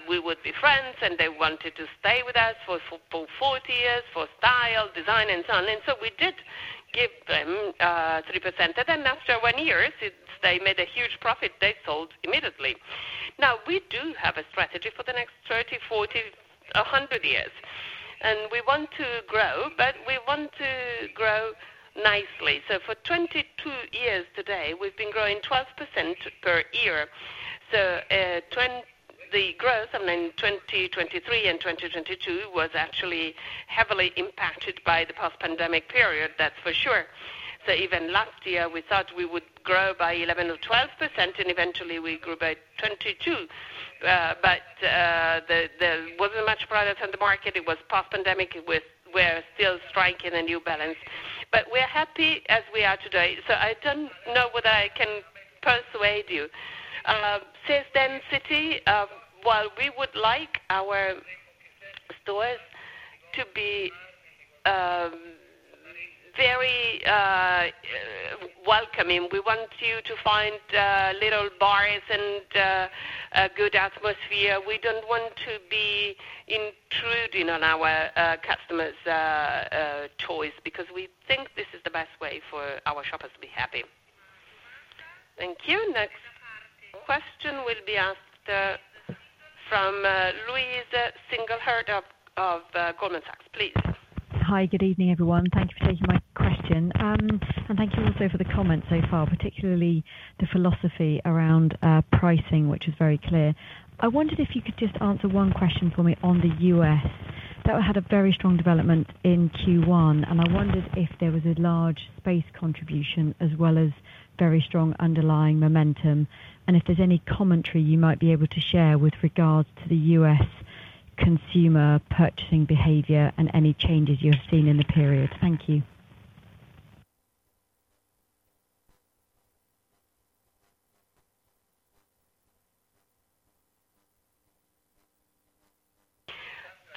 we would be friends, and they wanted to stay with us for 40 years for style, design, and so on. And so we did give them 3%. And then after one year, they made a huge profit. They sold immediately. Now, we do have a strategy for the next 30, 40, 100 years. And we want to grow, but we want to grow nicely. So for 22 years today, we've been growing 12% per year. So the growth, I mean, 2023 and 2022 was actually heavily impacted by the post-pandemic period, that's for sure. So even last year, we thought we would grow by 11% or 12%, and eventually, we grew by 22%. But there wasn't much product on the market. It was post-pandemic. We're still striking a new balance. But we're happy as we are today. So I don't know whether I can persuade you. Solomeo, well, we would like our stores to be very welcoming. We want you to find little bars and a good atmosphere. We don't want to be intruding on our customers' time because we think this is the best way for our shoppers to be happy. Thank you. Next question will be asked from Louise Singlehurst of Goldman Sachs. Please. Hi. Good evening, everyone. Thank you for taking my question. And thank you also for the comments so far, particularly the philosophy around pricing, which is very clear. I wondered if you could just answer one question for me on the U.S. that had a very strong development in Q1. I wondered if there was a large space contribution as well as very strong underlying momentum, and if there's any commentary you might be able to share with regards to the U.S. consumer purchasing behavior and any changes you have seen in the period. Thank you.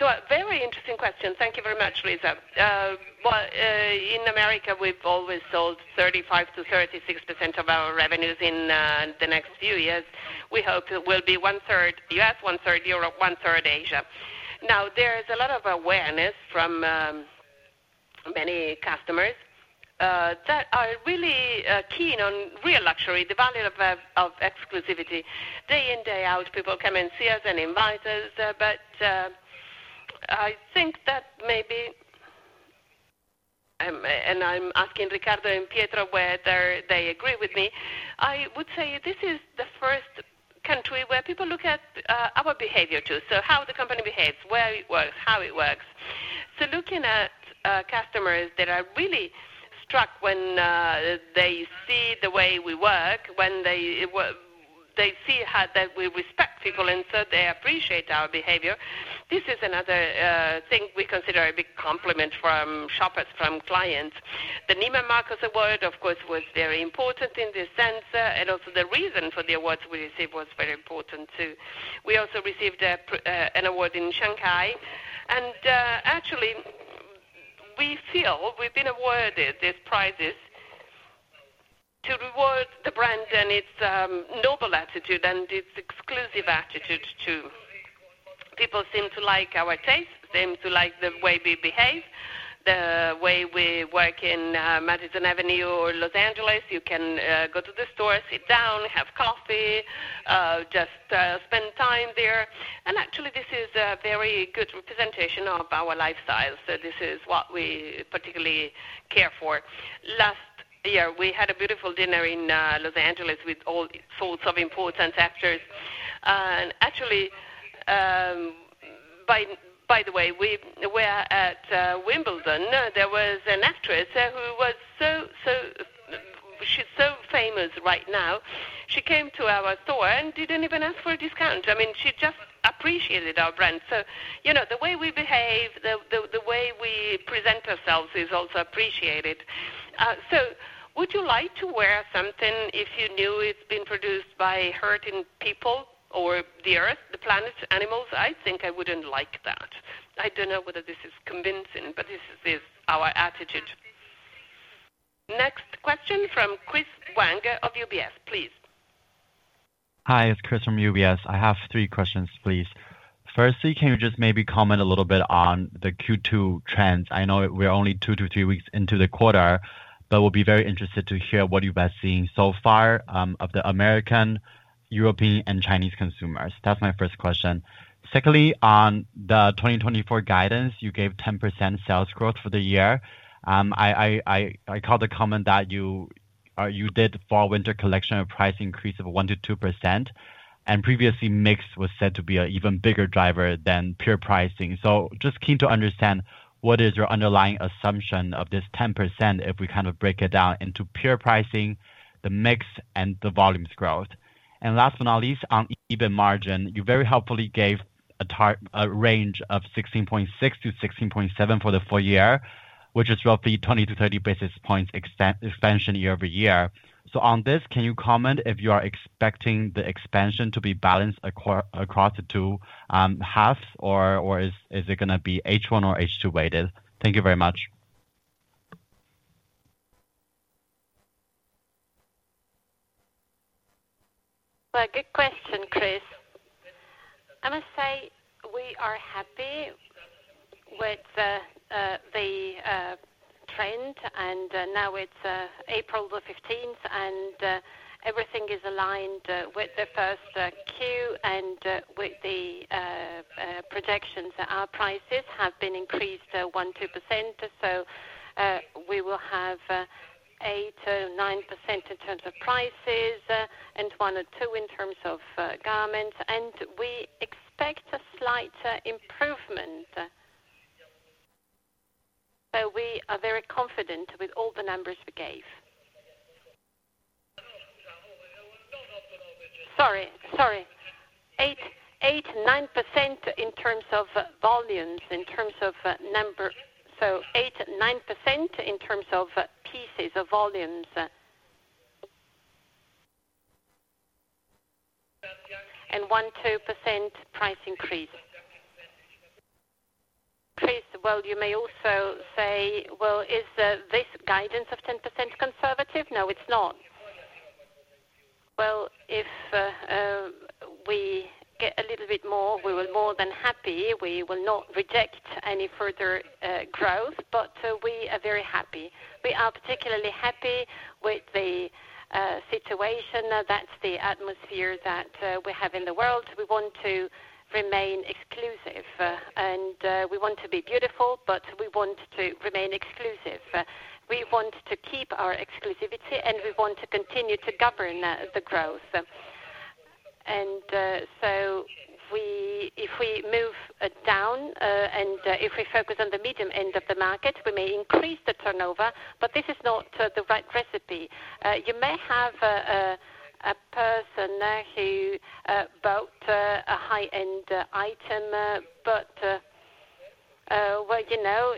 So a very interesting question. Thank you very much, Louise. Well, in America, we've always sold 35%-36% of our revenues in the next few years. We hope it will be one-third U.S., one-third Europe, one-third Asia. Now, there's a lot of awareness from many customers that are really keen on real luxury, the value of exclusivity. Day in, day out, people come and see us and invite us. But I think that maybe and I'm asking Riccardo and Pietro whether they agree with me. I would say this is the first country where people look at our behavior too, so how the company behaves, where it works, how it works. So looking at customers that are really struck when they see the way we work, when they see that we respect people, and so they appreciate our behavior, this is another thing we consider a big compliment from shoppers, from clients. The Neiman Marcus Award, of course, was very important in this sense. Also the reason for the awards we received was very important too. We also received an award in Shanghai. Actually, we feel we've been awarded these prizes to reward the brand and its noble attitude and its exclusive attitude too. People seem to like our taste. They seem to like the way we behave, the way we work in Madison Avenue or Los Angeles. You can go to the store, sit down, have coffee, just spend time there. Actually, this is a very good representation of our lifestyle. So this is what we particularly care for. Last year, we had a beautiful dinner in Los Angeles with all sorts of important actors. And actually, by the way, where at Wimbledon, there was an actress who was so she's so famous right now. She came to our store and didn't even ask for a discount. I mean, she just appreciated our brand. So the way we behave, the way we present ourselves is also appreciated. So would you like to wear something if you knew it's been produced by hurting people or the Earth, the planet, animals? I think I wouldn't like that. I don't know whether this is convincing, but this is our attitude. Next question from Chris Wang of UBS. Please. Hi. It's Chris from UBS. I have three questions, please. Firstly, can you just maybe comment a little bit on the Q2 trends? I know we're only 2-3 weeks into the quarter, but we'll be very interested to hear what you've been seeing so far of the American, European, and Chinese consumers. That's my first question. Secondly, on the 2024 guidance, you gave 10% sales growth for the year. I caught the comment that you did fall-winter collection of price increase of 1%-2%, and previously, mix was said to be an even bigger driver than pure pricing. So just keen to understand what is your underlying assumption of this 10% if we kind of break it down into pure pricing, the mix, and the volumes growth. And last but not least, on EBIT margin, you very helpfully gave a range of 16.6-16.7 for the full year, which is roughly 20-30 basis points expansion year-over-year. So on this, can you comment if you are expecting the expansion to be balanced across the two halves, or is it going to be H1 or H2 weighted? Thank you very much. Well, good question, Chris. I must say we are happy with the trend. And now it's April the 15th, and everything is aligned with the first quarter and with the projections. Our prices have been increased 1-2%. So we will have 8% or 9% in terms of prices and 1 or 2 in terms of garments. And we expect a slight improvement. So we are very confident with all the numbers we gave. Sorry. Sorry. 8.9% in terms of volumes, in terms of number so 8.9% in terms of pieces or volumes and 1.2% price increase. Chris, well, you may also say, "Well, is this guidance of 10% conservative?" No, it's not. Well, if we get a little bit more, we will more than happy. We will not reject any further growth, but we are very happy. We are particularly happy with the situation. That's the atmosphere that we have in the world. We want to remain exclusive, and we want to be beautiful, but we want to remain exclusive. We want to keep our exclusivity, and we want to continue to govern the growth. And so if we move down and if we focus on the medium end of the market, we may increase the turnover, but this is not the right recipe. You may have a person who bought a high-end item, but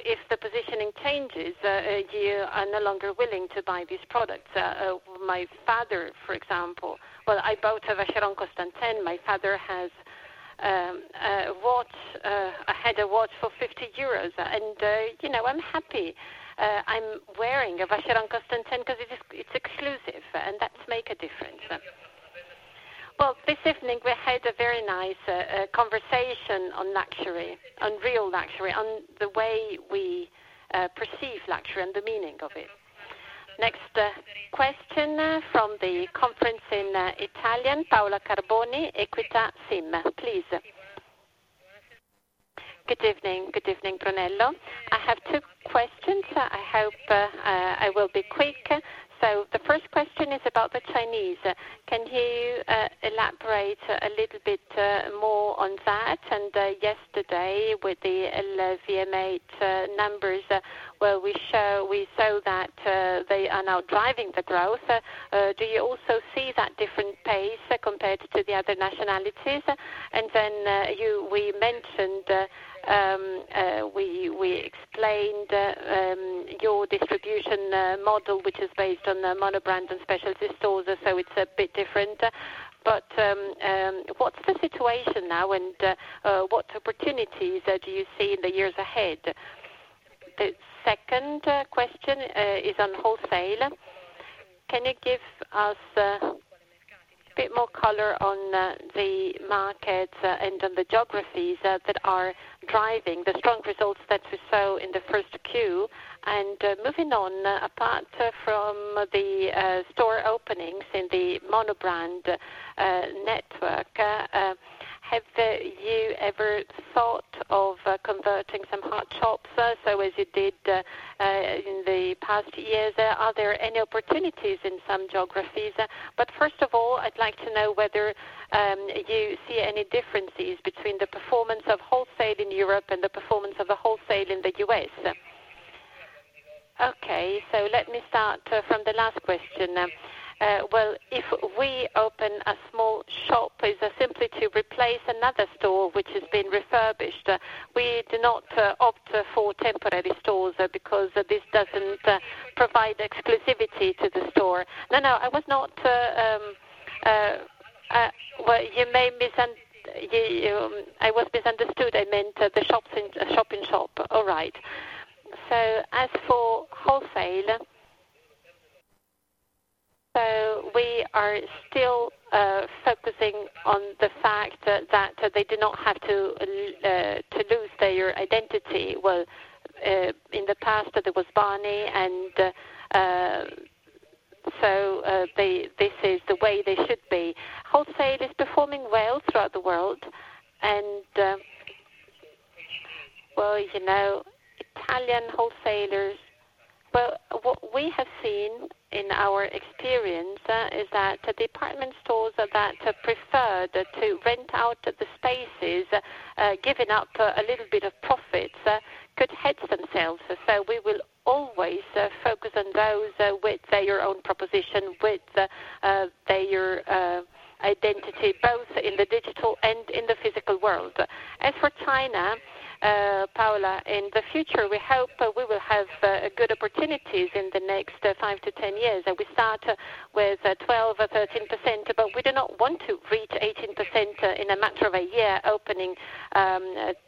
if the positioning changes, you are no longer willing to buy these products. My father, for example, well, I bought a Vacheron Constantin. My father had a watch for 50 euros. And I'm happy. I'm wearing a Vacheron Constantin because it's exclusive, and that's made a difference. Well, this evening, we had a very nice conversation on luxury, on real luxury, on the way we perceive luxury and the meaning of it. Next question from the conference in Italian, Paola Carboni, Equita SIM. Please. Good evening. Good evening, Brunello. I have two questions. I hope I will be quick. So the first question is about the Chinese. Can you elaborate a little bit more on that? And yesterday, with the LVMH numbers, well, we show that they are now driving the growth. Do you also see that different pace compared to the other nationalities? Then we mentioned we explained your distribution model, which is based on the monobrand and specialty stores, so it's a bit different. But what's the situation now, and what opportunities do you see in the years ahead? The second question is on wholesale. Can you give us a bit more color on the markets and on the geographies that are driving the strong results that we saw in the first quarter? And moving on, apart from the store openings in the monobrand network, have you ever thought of converting some shop-in-shops? So as you did in the past years, are there any opportunities in some geographies? But first of all, I'd like to know whether you see any differences between the performance of wholesale in Europe and the performance of the wholesale in the U.S. Okay. So let me start from the last question. Well, if we open a small shop, is it simply to replace another store which has been refurbished? We do not opt for temporary stores because this doesn't provide exclusivity to the store. No, no. I was not well, you may misunderstand. I was misunderstood. I meant the shop-in-shop. All right. So as for wholesale, so we are still focusing on the fact that they do not have to lose their identity. Well, in the past, there was Barneys, and so this is the way they should be. Wholesale is performing well throughout the world. And well, Italian wholesalers well, what we have seen in our experience is that department stores that prefer to rent out the spaces, giving up a little bit of profits, could hedge themselves. So we will always focus on those with their own proposition, with their identity, both in the digital and in the physical world. As for China, Paola, in the future, we hope we will have good opportunities in the next 5-10 years. We start with 12% or 13%, but we do not want to reach 18% in a matter of a year opening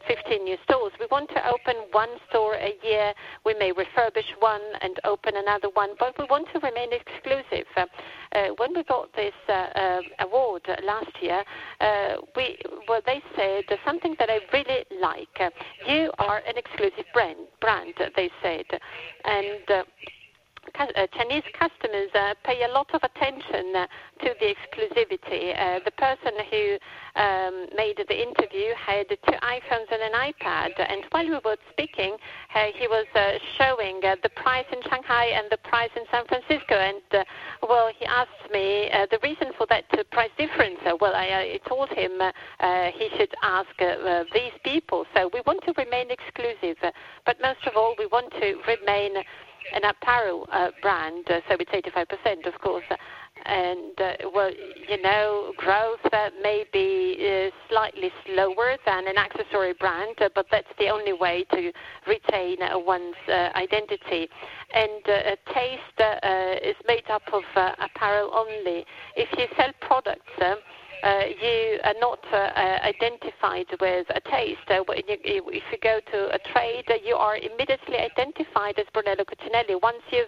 15 new stores. We want to open one store a year. We may refurbish one and open another one, but we want to remain exclusive. When we got this award last year, well, they said something that I really like, "You are an exclusive brand," they said. And Chinese customers pay a lot of attention to the exclusivity. The person who made the interview had two iPhones and an iPad. While we were speaking, he was showing the price in Shanghai and the price in San Francisco. Well, he asked me the reason for that price difference. Well, I told him he should ask these people. So we want to remain exclusive. But most of all, we want to remain an apparel brand, so with 85%, of course. And well, growth may be slightly slower than an accessory brand, but that's the only way to retain one's identity. And taste is made up of apparel only. If you sell products, you are not identified with a taste. If you go to a trade, you are immediately identified as Brunello Cucinelli. Once you've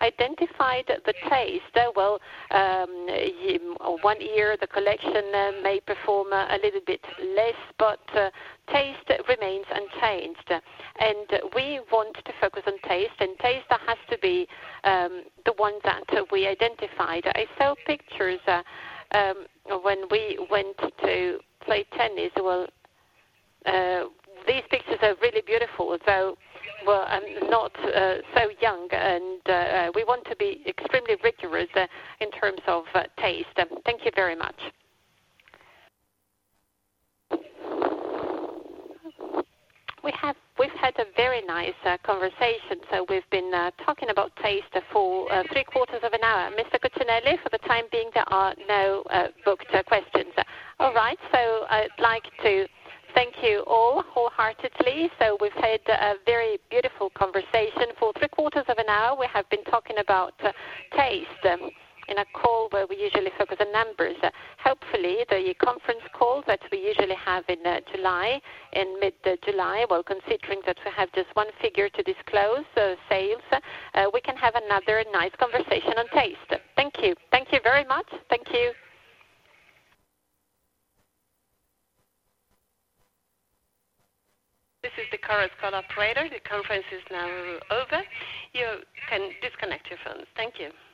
identified the taste, well, one year, the collection may perform a little bit less, but taste remains unchanged. And we want to focus on taste. Taste, that has to be the one that we identified. I saw pictures when we went to play tennis. Well, these pictures are really beautiful, though. Well, I'm not so young. And we want to be extremely rigorous in terms of taste. Thank you very much. We've had a very nice conversation. So we've been talking about taste for three-quarters of an hour. Mr. Cucinelli, for the time being, there are no booked questions. All right. So I'd like to thank you all wholeheartedly. So we've had a very beautiful conversation. For three-quarters of an hour, we have been talking about taste in a call where we usually focus on numbers. Hopefully, the conference call that we usually have in mid-July, well, considering that we have just one figure to disclose, sales, we can have another nice conversation on taste. Thank you. Thank you very much. Thank you. This is the Chorus Call operator. The conference is now over. You can disconnect your phones. Thank you.